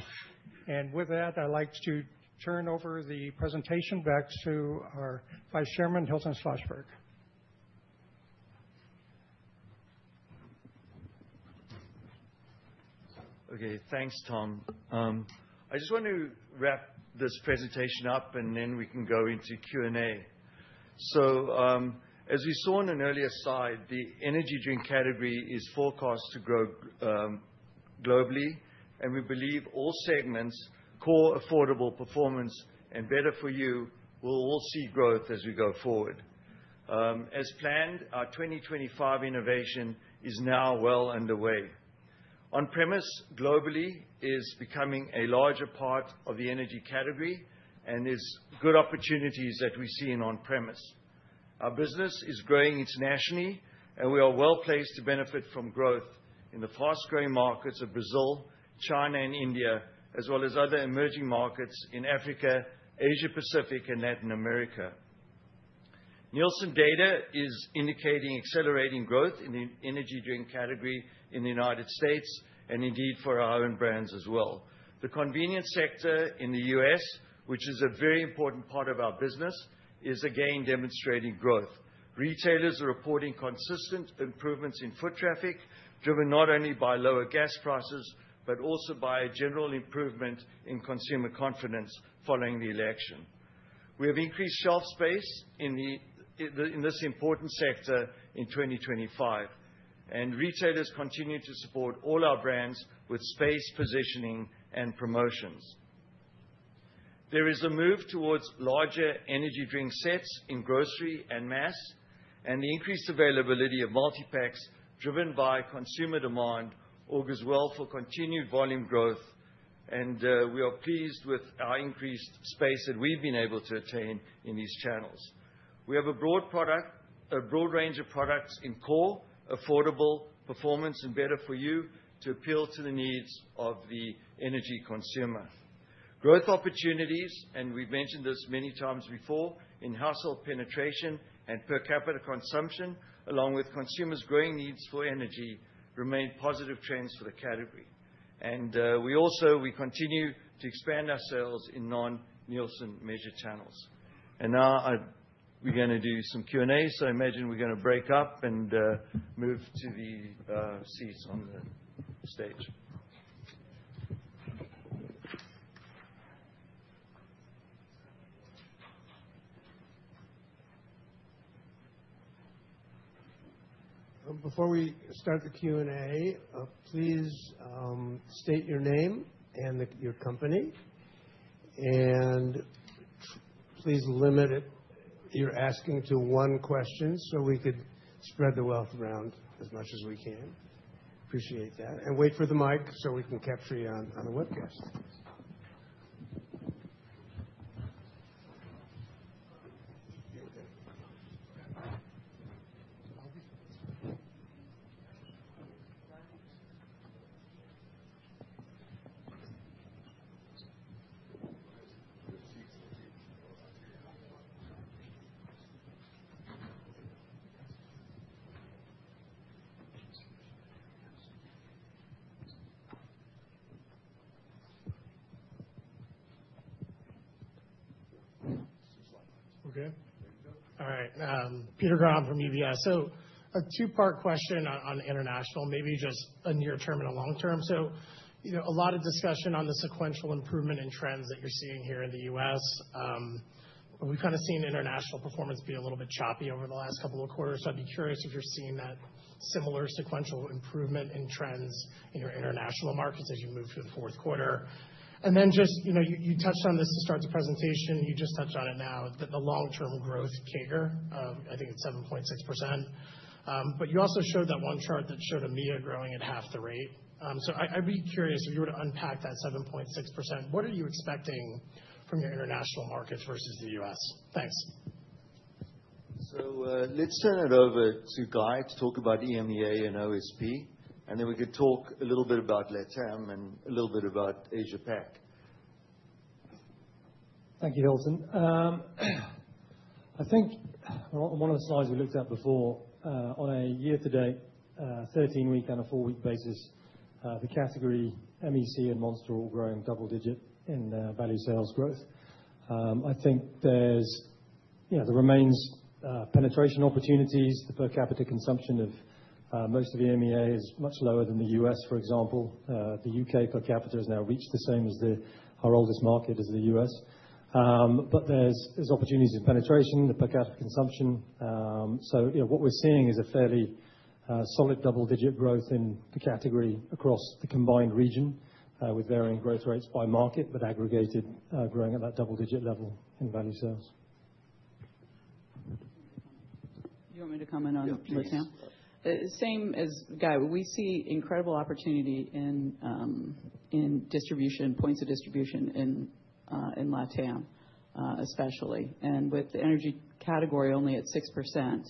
With that, I'd like to turn over the presentation back to our Vice Chairman, Hilton Schlosberg. Okay. Thanks, Tom. I just want to wrap this presentation up, and then we can go into Q&A. So as we saw in an earlier slide, the energy drink category is forecast to grow globally, and we believe all segments, core affordable performance, and better for you, will all see growth as we go forward. As planned, our 2025 innovation is now well underway. On-premise globally is becoming a larger part of the energy category, and there's good opportunities that we see in on-premise. Our business is growing internationally, and we are well placed to benefit from growth in the fast-growing markets of Brazil, China, and India, as well as other emerging markets in Africa, Asia-Pacific, and Latin America. Nielsen data is indicating accelerating growth in the energy drink category in the United States and indeed for our own brands as well. The convenience sector in the U.S., which is a very important part of our business, is again demonstrating growth. Retailers are reporting consistent improvements in foot traffic, driven not only by lower gas prices, but also by a general improvement in consumer confidence following the election. We have increased shelf space in this important sector in 2025, and retailers continue to support all our brands with space, positioning, and promotions. There is a move towards larger energy drink sets in grocery and mass, and the increased availability of multi-packs, driven by consumer demand, augurs well for continued volume growth, and we are pleased with our increased space that we've been able to attain in these channels. We have a broad range of products in core, affordable, performance, and better for you to appeal to the needs of the energy consumer. Growth opportunities, and we've mentioned this many times before, in household penetration and per capita consumption, along with consumers' growing needs for energy, remain positive trends for the category. And we continue to expand our sales in non-Nielsen measure channels. And now we're going to do some Q&A, so I imagine we're going to break up and move to the seats on the stage. Before we start the Q&A, please state your name and your company. And please limit your asking to one question so we could spread the wealth around as much as we can. Appreciate that. And wait for the mic so we can capture you on the webcast. Okay. All right. Peter Grom from UBS. So a two-part question on international, maybe just a near-term and a long-term. So a lot of discussion on the sequential improvement in trends that you're seeing here in the U.S. We've kind of seen international performance be a little bit choppy over the last couple of quarters, so I'd be curious if you're seeing that similar sequential improvement in trends in your international markets as you move to the fourth quarter. And then just you touched on this to start the presentation. You just touched on it now, the long-term growth CAGR, I think it's 7.6%. But you also showed that one chart that showed EMEA growing at half the rate. So I'd be curious, if you were to unpack that 7.6%, what are you expecting from your international markets versus the U.S.? Thanks. So let's turn it over to Guy to talk about EMEA and OSP, and then we can talk a little bit about Latam and a little bit about Asia-Pac. Thank you, Hilton. I think on one of the slides we looked at before, on a year-to-date 13-week and a 4-week basis, the category, MEC and Monster, are all growing double-digit in value sales growth. I think there remains penetration opportunities. The per capita consumption of most of EMEA is much lower than the U.S., for example. The U.K. per capita has now reached the same as our oldest market, as the U.S. But there's opportunities in penetration, the per capita consumption. So what we're seeing is a fairly solid double-digit growth in the category across the combined region with varying growth rates by market, but aggregated growing at that double-digit level in value sales. Do you want me to comment on LATAM? Same as Guy. We see incredible opportunity in distribution, points of distribution in LATAM, especially, and with the energy category only at 6%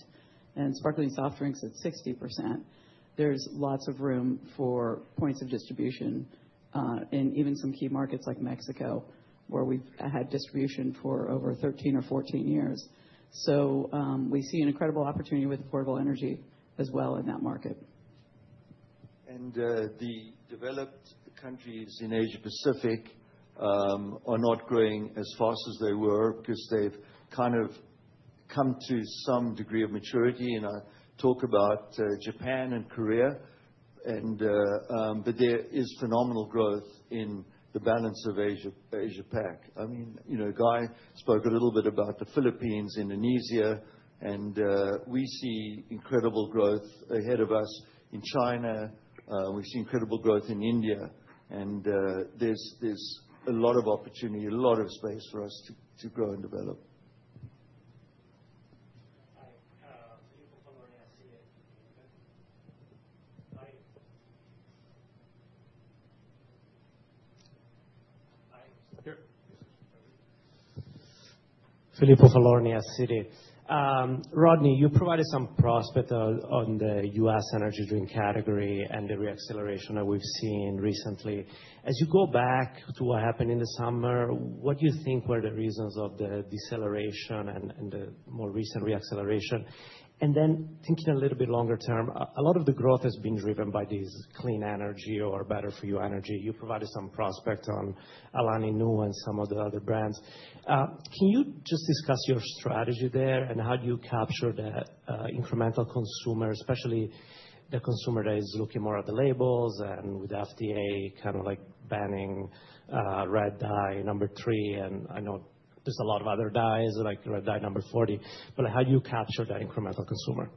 and sparkling soft drinks at 60%, there's lots of room for points of distribution in even some key markets like Mexico, where we've had distribution for over 13 or 14 years, so we see an incredible opportunity with affordable energy as well in that market. The developed countries in Asia-Pacific are not growing as fast as they were because they've kind of come to some degree of maturity. I talk about Japan and Korea, but there is phenomenal growth in the balance of Asia-Pac. I mean, Guy spoke a little bit about the Philippines, Indonesia, and we see incredible growth ahead of us in China. We've seen incredible growth in India, and there's a lot of opportunity, a lot of space for us to grow and develop. Filippo, Cigar City. Rodney, you provided some perspective on the U.S. energy drink category and the reacceleration that we've seen recently. As you go back to what happened in the summer, what do you think were the reasons of the deceleration and the more recent reacceleration? And then thinking a little bit longer term, a lot of the growth has been driven by this clean energy or better for you energy. You provided some perspective on Alani Nu and some of the other brands. Can you just discuss your strategy there and how do you capture that incremental consumer, especially the consumer that is looking more at the labels and with FDA kind of like banning Red Dye No. 3? And I know there's a lot of other dyes, like Red Dye No. 40, but how do you capture that incremental consumer?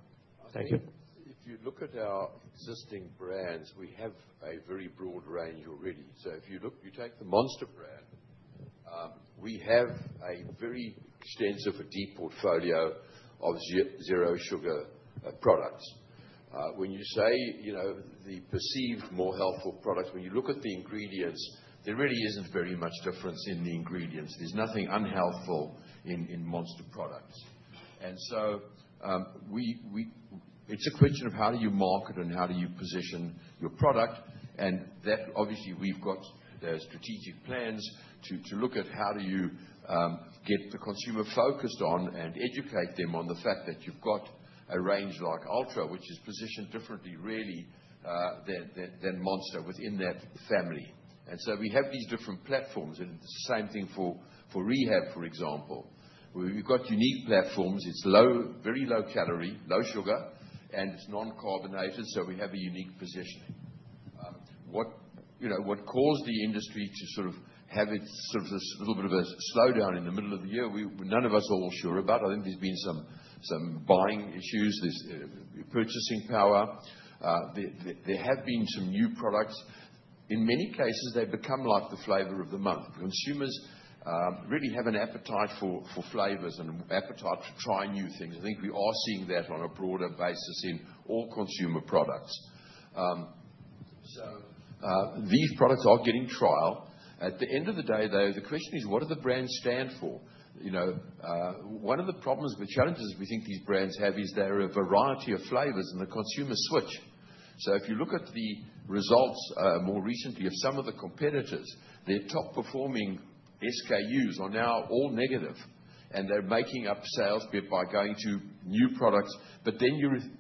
Thank you. If you look at our existing brands, we have a very broad range already. So if you take the Monster brand, we have a very extensive and deep portfolio of zero sugar products. When you say the perceived more healthful products, when you look at the ingredients, there really isn't very much difference in the ingredients. There's nothing unhealthful in Monster products. And so it's a question of how do you market and how do you position your product? And that, obviously, we've got strategic plans to look at how do you get the consumer focused on and educate them on the fact that you've got a range like Ultra, which is positioned differently, really, than Monster within that family. And so we have these different platforms, and it's the same thing for Rehab, for example. We've got unique platforms. It's very low calorie, low sugar, and it's non-carbonated, so we have a unique position. What caused the industry to sort of have a little bit of a slowdown in the middle of the year, none of us are all sure about? I think there's been some buying issues, purchasing power. There have been some new products. In many cases, they've become like the flavor of the month. Consumers really have an appetite for flavors and an appetite to try new things. I think we are seeing that on a broader basis in all consumer products. So these products are getting trial. At the end of the day, though, the question is, what do the brands stand for? One of the problems with challenges we think these brands have is they're a variety of flavors, and the consumers switch. So if you look at the results more recently of some of the competitors, their top-performing SKUs are now all negative, and they're making up sales by going to new products. But then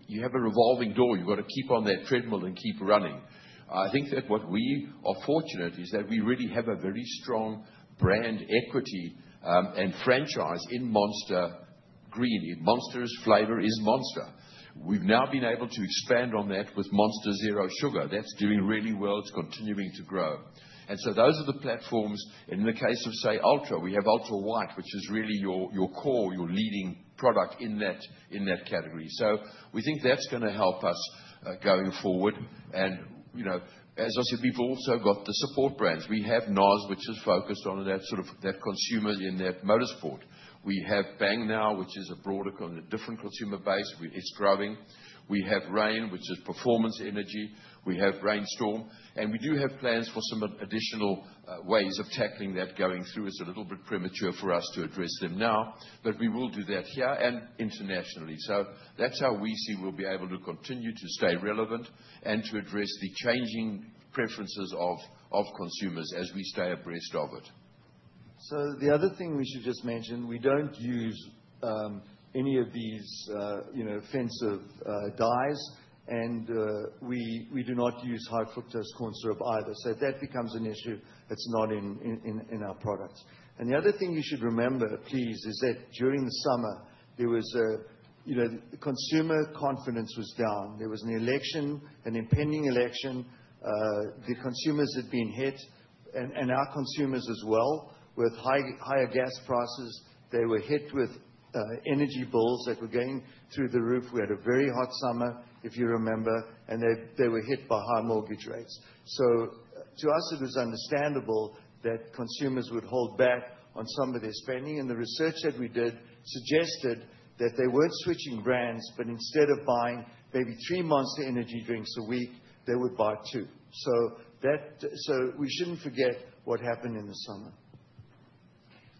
you have a revolving door. You've got to keep on that treadmill and keep running. I think that what we are fortunate is that we really have a very strong brand equity and franchise in Monster Green. Monster's flavor is Monster. We've now been able to expand on that with Monster Zero Sugar. That's doing really well. It's continuing to grow. And so those are the platforms. And in the case of, say, Ultra, we have Ultra White, which is really your core, your leading product in that category. So we think that's going to help us going forward. And as I said, we've also got the support brands. We have NOS, which is focused on that consumer in that motorsport. We have Bang, now, which is a broader, different consumer base. It's growing. We have Reign, which is performance energy. We have Reign Storm. And we do have plans for some additional ways of tackling that going through. It's a little bit premature for us to address them now, but we will do that here and internationally. So that's how we see we'll be able to continue to stay relevant and to address the changing preferences of consumers as we stay abreast of it. So the other thing we should just mention, we don't use any of these offensive dyes, and we do not use high-fructose corn syrup either. So if that becomes an issue, it's not in our products. And the other thing you should remember, please, is that during the summer, consumer confidence was down. There was an election, an impending election. The consumers had been hit, and our consumers as well. With higher gas prices, they were hit with energy bills that were going through the roof. We had a very hot summer, if you remember, and they were hit by high mortgage rates. So to us, it was understandable that consumers would hold back on some of their spending, and the research that we did suggested that they weren't switching brands, but instead of buying maybe three Monster Energy drinks a week, they would buy two. So we shouldn't forget what happened in the summer.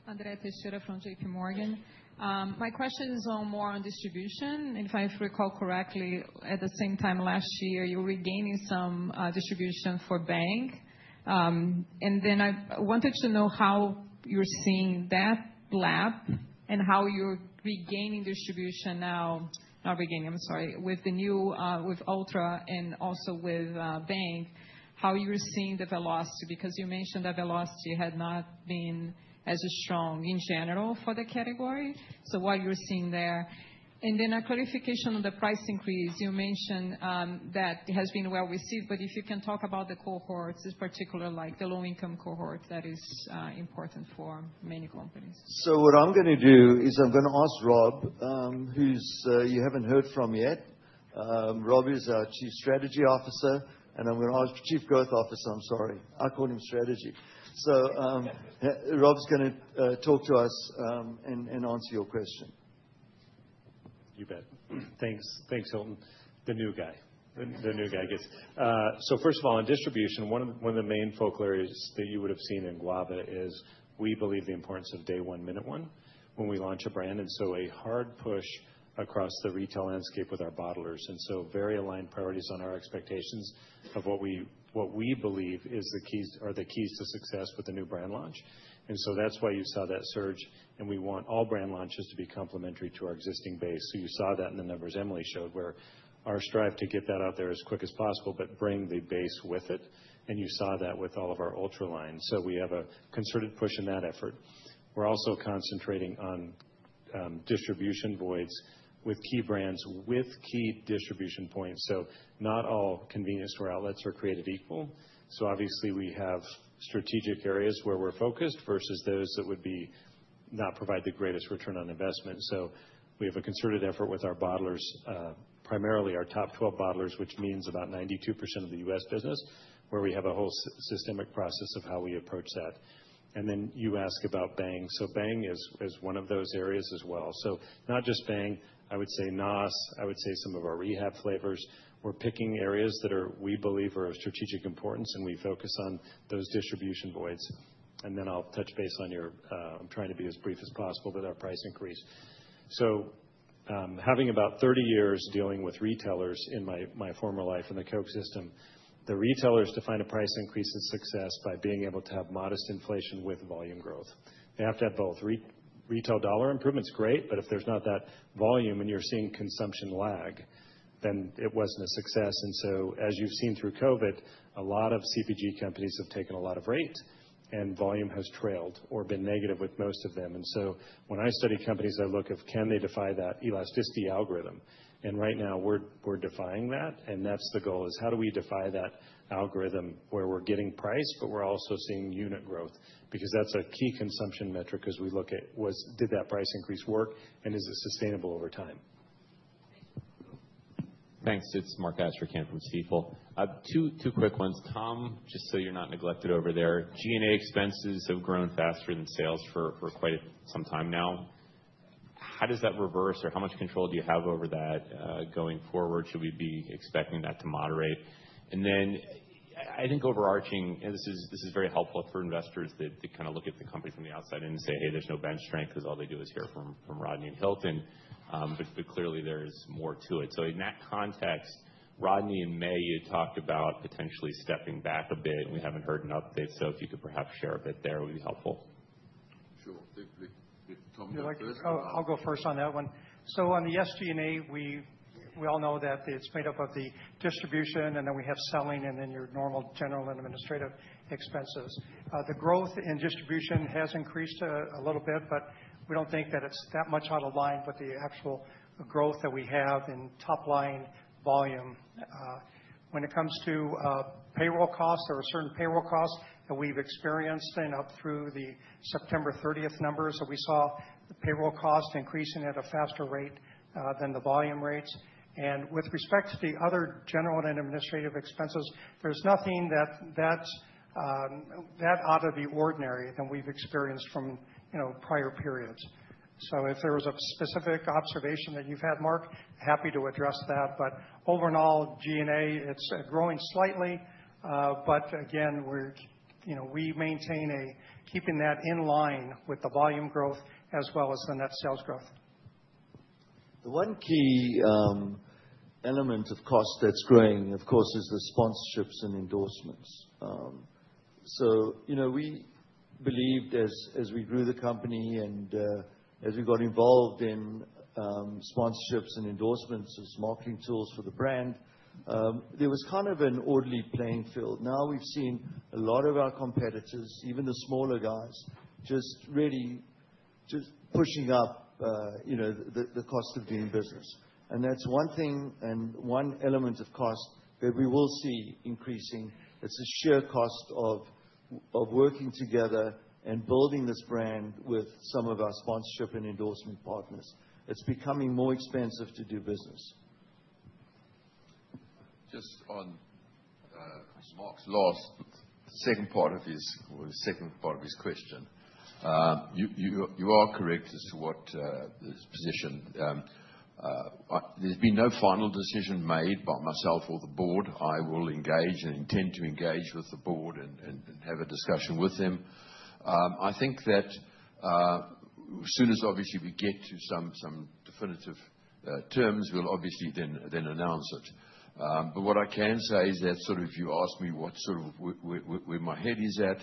`Andrea Teixeira from JPMorgan. My question is all more on distribution. If I recall correctly, at the same time last year, you were regaining some distribution for Bang. And then I wanted to know how you're seeing that lap and how you're regaining distribution now, not regaining, I'm sorry, with Ultra and also with Bang, how you're seeing the velocity, because you mentioned that velocity had not been as strong in general for the category. So what you're seeing there. And then a clarification on the price increase. You mentioned that it has been well received, but if you can talk about the cohorts, in particular, like the low-income cohort, that is important for many companies. So what I'm going to do is I'm going to ask Rob, who you haven't heard from yet. Rob is our Chief Strategy Officer, and I'm going to ask Chief Growth Officer. I'm sorry. I call him Strategy. So Rob's going to talk to us and answer your question. You bet. Thanks, Hilton. The new guy. The new guy, I guess. So first of all, in distribution, one of the main focal areas that you would have seen in Guava is we believe the importance of day one, minute one when we launch a brand. A hard push across the retail landscape with our bottlers. Very aligned priorities on our expectations of what we believe are the keys to success with the new brand launch. That's why you saw that surge, and we want all brand launches to be complementary to our existing base. You saw that in the numbers Emelie showed, where our strive to get that out there as quick as possible, but bring the base with it. You saw that with all of our Ultra lines. We have a concerted push in that effort. We're also concentrating on distribution voids with key brands with key distribution points. So not all convenience store outlets are created equal. So obviously, we have strategic areas where we're focused versus those that would not provide the greatest return on investment. So we have a concerted effort with our bottlers, primarily our top 12 bottlers, which means about 92% of the U.S. business, where we have a whole systemic process of how we approach that. And then you ask about Bang. So Bang is one of those areas as well. So not just Bang, I would say NOS, I would say some of our rehab flavors. We're picking areas that we believe are of strategic importance, and we focus on those distribution voids. And then I'll touch base on your I'm trying to be as brief as possible with our price increase. So, having about 30 years dealing with retailers in my former life in the Coke system, the retailers define a price increase as success by being able to have modest inflation with volume growth. They have to have both. Retail dollar improvement's great, but if there's not that volume and you're seeing consumption lag, then it wasn't a success. And so as you've seen through COVID, a lot of CPG companies have taken a lot of rate, and volume has trailed or been negative with most of them. And so when I study companies, I look at can they defy that elasticity algorithm? And right now, we're defying that, and that's the goal, is how do we defy that algorithm where we're getting price, but we're also seeing unit growth? Because that's a key consumption metric as we look at did that price increase work, and is it sustainable over time? Thanks. It's Mark Astrachan again from Stifel. Two quick ones. Tom, just so you're not neglected over there. G&A expenses have grown faster than sales for quite some time now. How does that reverse, or how much control do you have over that going forward? Should we be expecting that to moderate? And then I think overarching, this is very helpful for investors to kind of look at the companies from the outside and say, "Hey, there's no bench strength because all they do is hear from Rodney and Hilton," but clearly there's more to it. So in that context, Rodney, in May, you talked about potentially stepping back a bit, and we haven't heard an update. So if you could perhaps share a bit there, it would be helpful. Sure. Thank you. Tom, you like to answer that? I'll go first on that one. So on the SG&A, we all know that it's made up of the distribution, and then we have selling, and then your normal general and administrative expenses. The growth in distribution has increased a little bit, but we don't think that it's that much out of line with the actual growth that we have in top-line volume. When it comes to payroll costs, there are certain payroll costs that we've experienced up through the September 30th numbers. So we saw the payroll cost increasing at a faster rate than the volume rates. And with respect to the other general and administrative expenses, there's nothing that's out of the ordinary that we've experienced from prior periods. So if there was a specific observation that you've had, Mark, happy to address that. But overall, G&A, it's growing slightly, but again, we maintain keeping that in line with the volume growth as well as the net sales growth. The one key element of cost that's growing, of course, is the sponsorships and endorsements. So we believed as we grew the company and as we got involved in sponsorships and endorsements as marketing tools for the brand, there was kind of an orderly playing field. Now we've seen a lot of our competitors, even the smaller guys, just really pushing up the cost of doing business. And that's one thing and one element of cost that we will see increasing. It's the sheer cost of working together and building this brand with some of our sponsorship and endorsement partners. It's becoming more expensive to do business. Just on Mark's last second part of his second part of his question, you are correct as to what position. There's been no final decision made by myself or the board. I will engage and intend to engage with the board and have a discussion with them. I think that as soon as, obviously, we get to some definitive terms, we'll obviously then announce it. But what I can say is that sort of if you ask me what sort of where my head is at,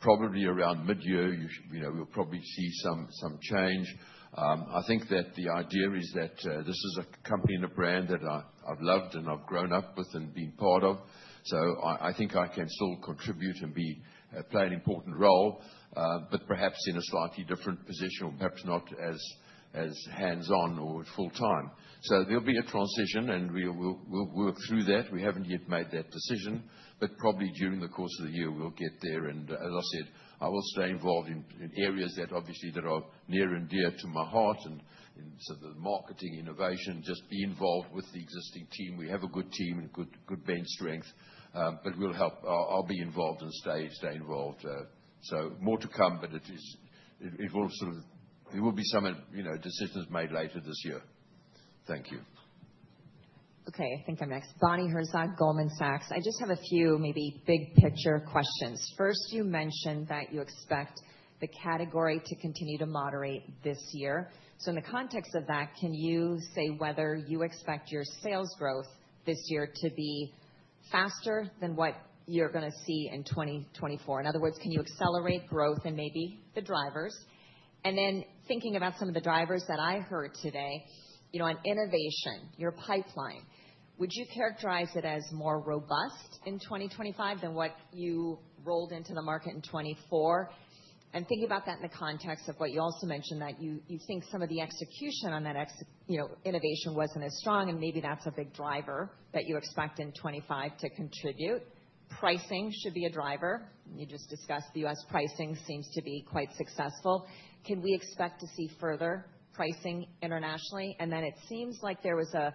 probably around mid-year, we'll probably see some change. I think that the idea is that this is a company and a brand that I've loved and I've grown up with and been part of. So I think I can still contribute and play an important role, but perhaps in a slightly different position or perhaps not as hands-on or full-time. So there'll be a transition, and we'll work through that. We haven't yet made that decision, but probably during the course of the year, we'll get there. And as I said, I will stay involved in areas that obviously are near and dear to my heart, and so the marketing, innovation, just be involved with the existing team. We have a good team and good bench strength, but I'll be involved and stay involved. So more to come, but there will be some decisions made later this year. Thank you. Okay. I think I'm next. Bonnie Herzog, Goldman Sachs. I just have a few maybe big-picture questions. First, you mentioned that you expect the category to continue to moderate this year. So in the context of that, can you say whether you expect your sales growth this year to be faster than what you're going to see in 2024? In other words, can you accelerate growth and maybe the drivers? And then thinking about some of the drivers that I heard today, on innovation, your pipeline, would you characterize it as more robust in 2025 than what you rolled into the market in 2024? And thinking about that in the context of what you also mentioned, that you think some of the execution on that innovation wasn't as strong, and maybe that's a big driver that you expect in 2025 to contribute. Pricing should be a driver. You just discussed the U.S. pricing seems to be quite successful. Can we expect to see further pricing internationally? And then it seems like there was a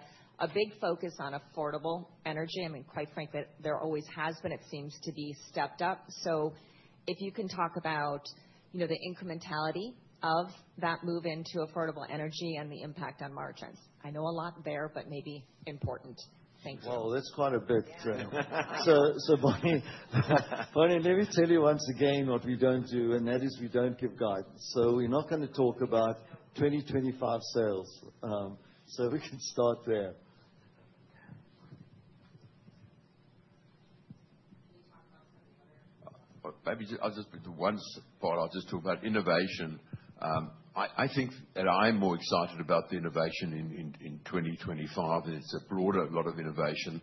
big focus on affordable energy. I mean, quite frankly, there always has been. It seems to be stepped up. So if you can talk about the incrementality of that move into affordable energy and the impact on margins. I know a lot there, but maybe important. Thank you. That's quite a big draw. Bonnie, let me tell you once again what we don't do, and that is we don't give guidance. We're not going to talk about 2025 sales. We can start there. Maybe I'll just put one part. I'll just talk about innovation. I think that I'm more excited about the innovation in 2025, and it's a broader lot of innovation.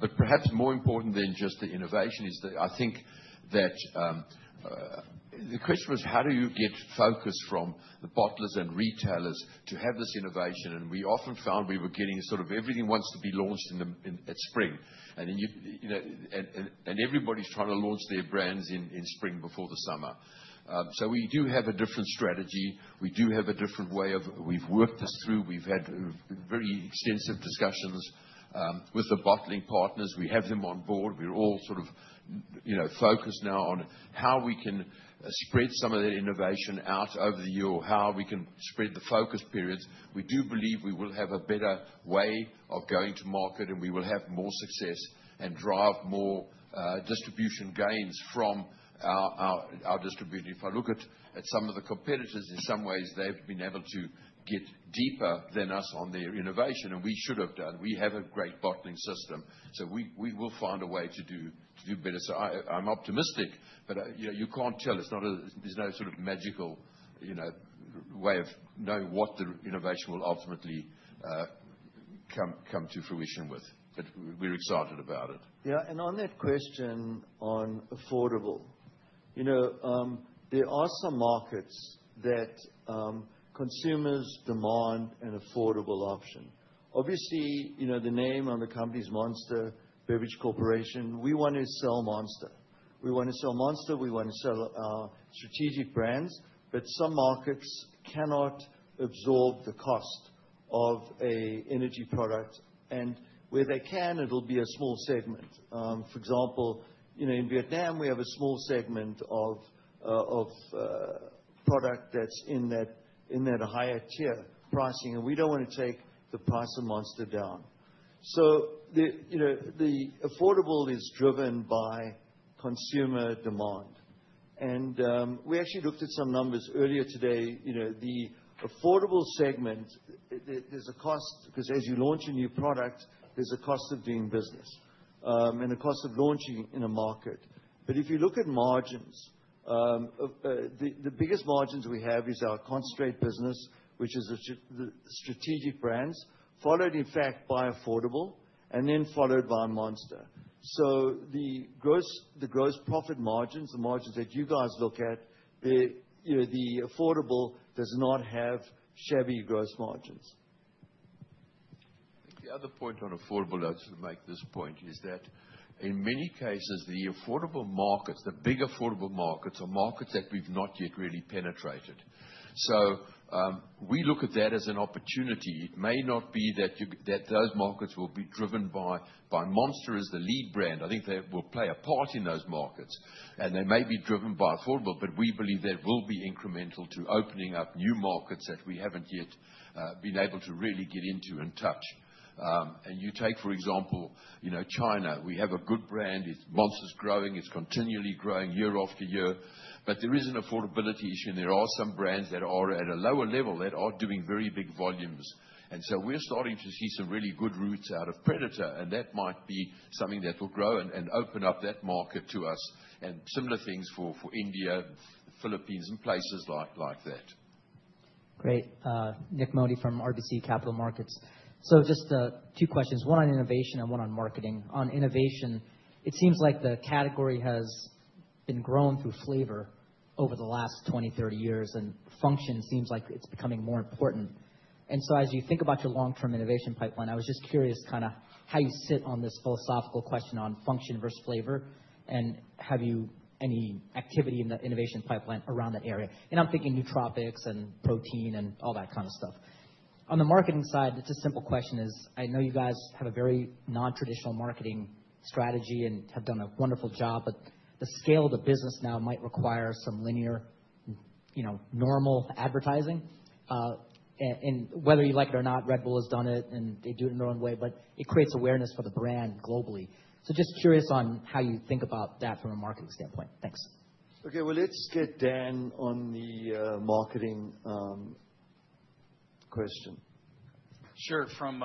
But perhaps more important than just the innovation is that I think that the question was, how do you get focus from the bottlers and retailers to have this innovation? And we often found we were getting sort of everything wants to be launched in spring. And everybody's trying to launch their brands in spring before the summer. So we do have a different strategy. We do have a different way. We've worked this through. We've had very extensive discussions with the bottling partners. We have them on board. We're all sort of focused now on how we can spread some of that innovation out over the year or how we can spread the focus periods. We do believe we will have a better way of going to market, and we will have more success and drive more distribution gains from our distribution. If I look at some of the competitors, in some ways, they've been able to get deeper than us on their innovation, and we should have done. We have a great bottling system. So we will find a way to do better. So I'm optimistic, but you can't tell. There's no sort of magical way of knowing what the innovation will ultimately come to fruition with. But we're excited about it. Yeah. And on that question on affordable, there are some markets that consumers demand an affordable option. Obviously, the name on the company is Monster Beverage Corporation. We want to sell Monster. We want to sell Monster. We want to sell our strategic brands, but some markets cannot absorb the cost of an energy product. And where they can, it'll be a small segment. For example, in Vietnam, we have a small segment of product that's in that higher tier pricing, and we don't want to take the price of Monster down. So the affordable is driven by consumer demand. And we actually looked at some numbers earlier today. The affordable segment, there's a cost because as you launch a new product, there's a cost of doing business and a cost of launching in a market. But if you look at margins, the biggest margins we have is our concentrate business, which is the strategic brands, followed, in fact, by affordable, and then followed by Monster. So the gross profit margins, the margins that you guys look at, the affordable does not have shabby gross margins. I think the other point on affordable, I'll just make this point, is that in many cases, the affordable markets, the big affordable markets, are markets that we've not yet really penetrated. So we look at that as an opportunity. It may not be that those markets will be driven by Monster as the lead brand. I think they will play a part in those markets, and they may be driven by affordable, but we believe that will be incremental to opening up new markets that we haven't yet been able to really get into and touch, and you take, for example, China. We have a good brand. Monster's growing. It's continually growing year after year, but there is an affordability issue, and there are some brands that are at a lower level that are doing very big volumes. We're starting to see some really good results out of Predator, and that might be something that will grow and open up that market to us. Similar things for India and the Philippines and places like that. Great. Nick Modi from RBC Capital Markets, so just two questions, one on innovation and one on marketing. On innovation, it seems like the category has been grown through flavor over the last 20, 30 years, and function seems like it's becoming more important, and so as you think about your long-term innovation pipeline, I was just curious kind of how you sit on this philosophical question on function versus flavor, and have you any activity in the innovation pipeline around that area, and I'm thinking nootropics and protein and all that kind of stuff. On the marketing side, it's a simple question. I know you guys have a very non-traditional marketing strategy and have done a wonderful job, but the scale of the business now might require some linear, normal advertising. And whether you like it or not, Red Bull has done it, and they do it in their own way, but it creates awareness for the brand globally. So just curious on how you think about that from a marketing standpoint? Thanks. Okay, well, let's get Dan on the marketing question. Sure. From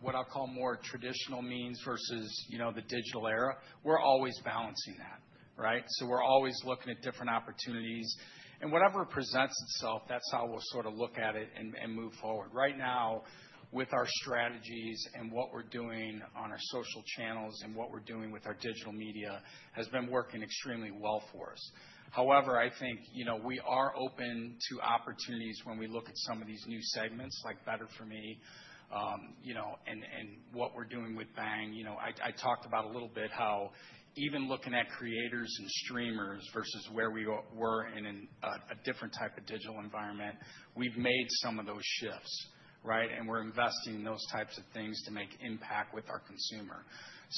what I'll call more traditional means versus the digital era, we're always balancing that, right? So we're always looking at different opportunities, and whatever presents itself, that's how we'll sort of look at it and move forward. Right now, with our strategies and what we're doing on our social channels and what we're doing with our digital media has been working extremely well for us. However, I think we are open to opportunities when we look at some of these new segments like Better For You and what we're doing with Bang. I talked about a little bit how even looking at creators and streamers versus where we were in a different type of digital environment, we've made some of those shifts, right, and we're investing in those types of things to make impact with our consumer.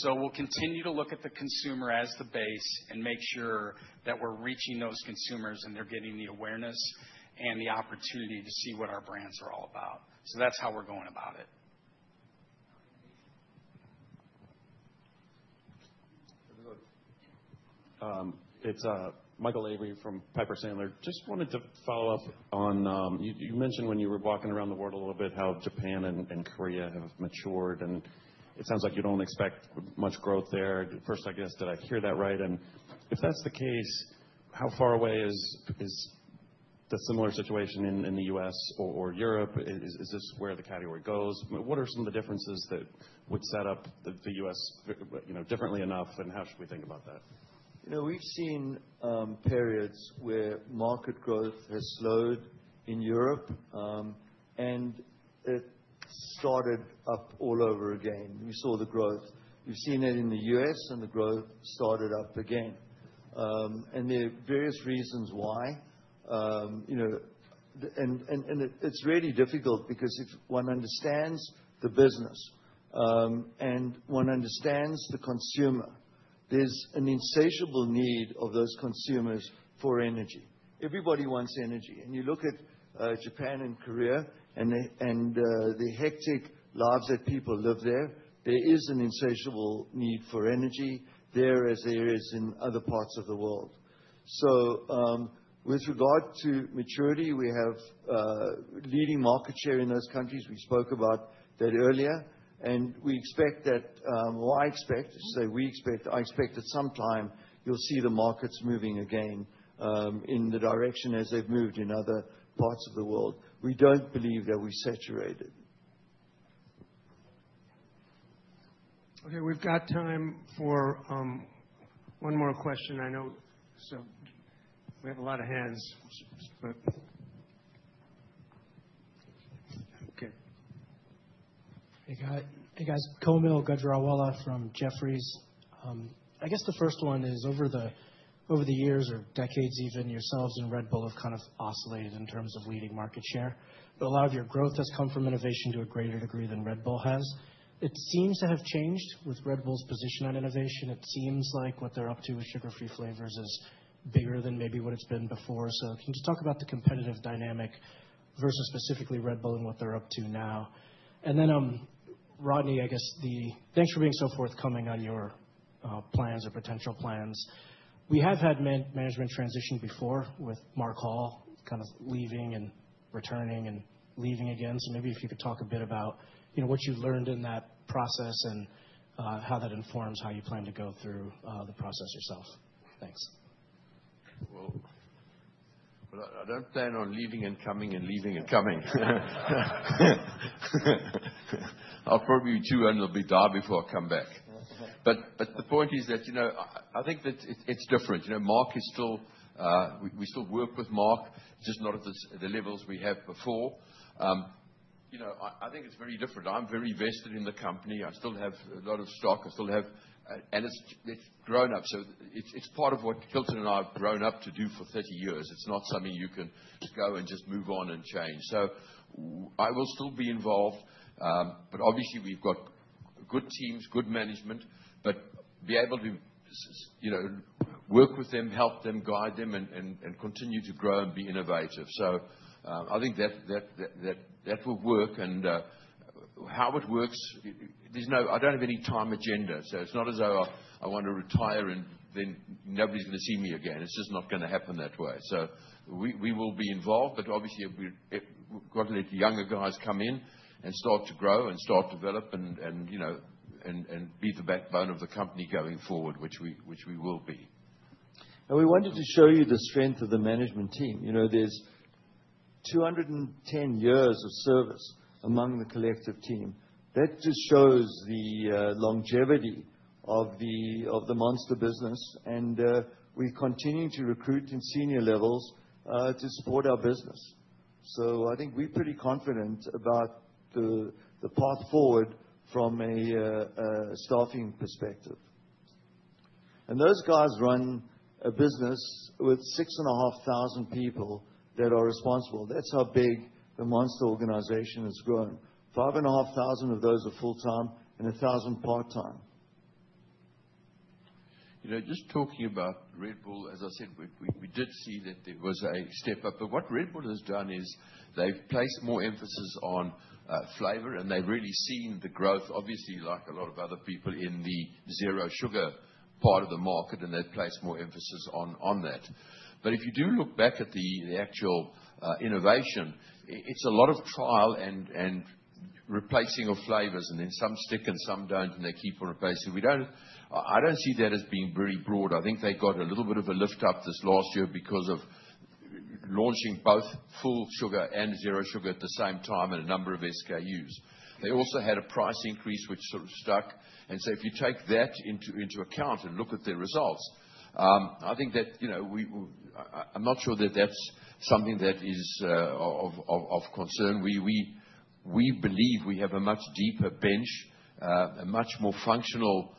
We'll continue to look at the consumer as the base and make sure that we're reaching those consumers and they're getting the awareness and the opportunity to see what our brands are all about. That's how we're going about it. It's Michael Lavery from Piper Sandler. Just wanted to follow up on what you mentioned when you were walking around the world a little bit, how Japan and Korea have matured, and it sounds like you don't expect much growth there. First, I guess, did I hear that right? And if that's the case, how far away is the similar situation in the U.S. or Europe? Is this where the category goes? What are some of the differences that would set up the U.S. differently enough, and how should we think about that? We've seen periods where market growth has slowed in Europe, and it started up all over again. We saw the growth. We've seen it in the U.S., and the growth started up again. And there are various reasons why. And it's really difficult because if one understands the business and one understands the consumer, there's an insatiable need of those consumers for energy. Everybody wants energy. And you look at Japan and Korea and the hectic lives that people live there, there is an insatiable need for energy there as there is in other parts of the world. So with regard to maturity, we have leading market share in those countries. We spoke about that earlier. And we expect that well, I expect, say we expect, I expect at some time you'll see the markets moving again in the direction as they've moved in other parts of the world. We don't believe that we've saturated. Okay. We've got time for one more question. I know we have a lot of hands, but. Okay. Hey, guys. Hey, guys. Kaumil Gajrawala from Jefferies. I guess the first one is over the years or decades even, yourselves and Red Bull have kind of oscillated in terms of leading market share. But a lot of your growth has come from innovation to a greater degree than Red Bull has. It seems to have changed with Red Bull's position on innovation. It seems like what they're up to with sugar-free flavors is bigger than maybe what it's been before. So can you talk about the competitive dynamic versus specifically Red Bull and what they're up to now? And then, Rodney, I guess thanks for being so forthcoming on your plans or potential plans. We have had management transition before with Mark Hall kind of leaving and returning and leaving again. So maybe if you could talk a bit about what you learned in that process and how that informs how you plan to go through the process yourself? Thanks. Well, I don't plan on leaving and coming and leaving and coming. I'll probably be too old to be bothered before I come back. But the point is that I think that it's different. We still work with Mark, just not at the levels we have before. I think it's very different. I'm very vested in the company. I still have a lot of stock. I still have, and it's grown up. So it's part of what Hilton and I have grown up to do for 30 years. It's not something you can just go and just move on and change. So I will still be involved. But obviously, we've got good teams, good management, but be able to work with them, help them, guide them, and continue to grow and be innovative. So I think that will work. How it works, I don't have any time agenda. So it's not as though I want to retire and then nobody's going to see me again. It's just not going to happen that way. So we will be involved, but obviously, we've got to let the younger guys come in and start to grow and start to develop and be the backbone of the company going forward, which we will be. And we wanted to show you the strength of the management team. There's 210 years of service among the collective team. That just shows the longevity of the Monster business. And we continue to recruit in senior levels to support our business. So I think we're pretty confident about the path forward from a staffing perspective. And those guys run a business with 6,500 people that are responsible. That's how big the Monster organization has grown. 5,500 of those are full-time and 1,000 part-time. Just talking about Red Bull, as I said, we did see that there was a step up. But what Red Bull has done is they've placed more emphasis on flavor, and they've really seen the growth, obviously, like a lot of other people in the zero sugar part of the market, and they've placed more emphasis on that. But if you do look back at the actual innovation, it's a lot of trial and replacing of flavors, and then some stick and some don't, and they keep on replacing. I don't see that as being very broad. I think they got a little bit of a lift up this last year because of launching both full sugar and zero sugar at the same time and a number of SKUs. They also had a price increase which sort of stuck. If you take that into account and look at their results, I think that I'm not sure that that's something that is of concern. We believe we have a much deeper bench, a much more functional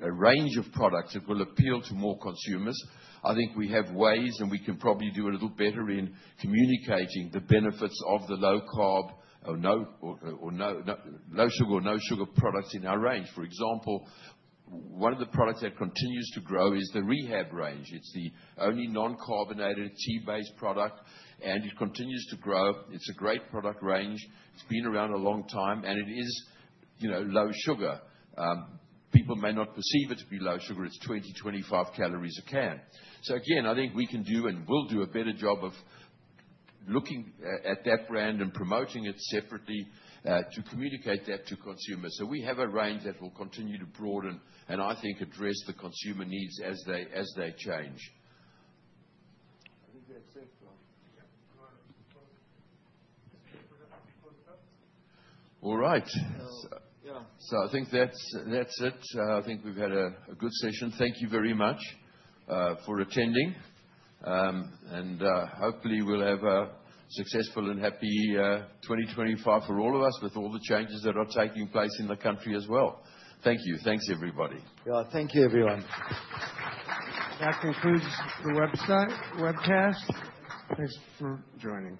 range of products that will appeal to more consumers. I think we have ways, and we can probably do a little better in communicating the benefits of the low-carb or no sugar or no sugar products in our range. For example, one of the products that continues to grow is the Rehab range. It's the only non-carbonated tea-based product, and it continues to grow. It's a great product range. It's been around a long time, and it is low sugar. People may not perceive it to be low sugar. It's 20 to 25 calories a can. Again, I think we can do and will do a better job of looking at that brand and promoting it separately to communicate that to consumers. We have a range that will continue to broaden and, I think, address the consumer needs as they change. I think that's it, Hilton. All right. So I think that's it. I think we've had a good session. Thank you very much for attending. And hopefully, we'll have a successful and happy 2025 for all of us with all the changes that are taking place in the country as well. Thank you. Thanks, everybody. Yeah. Thank you, everyone. That concludes the webcast. Thanks for joining.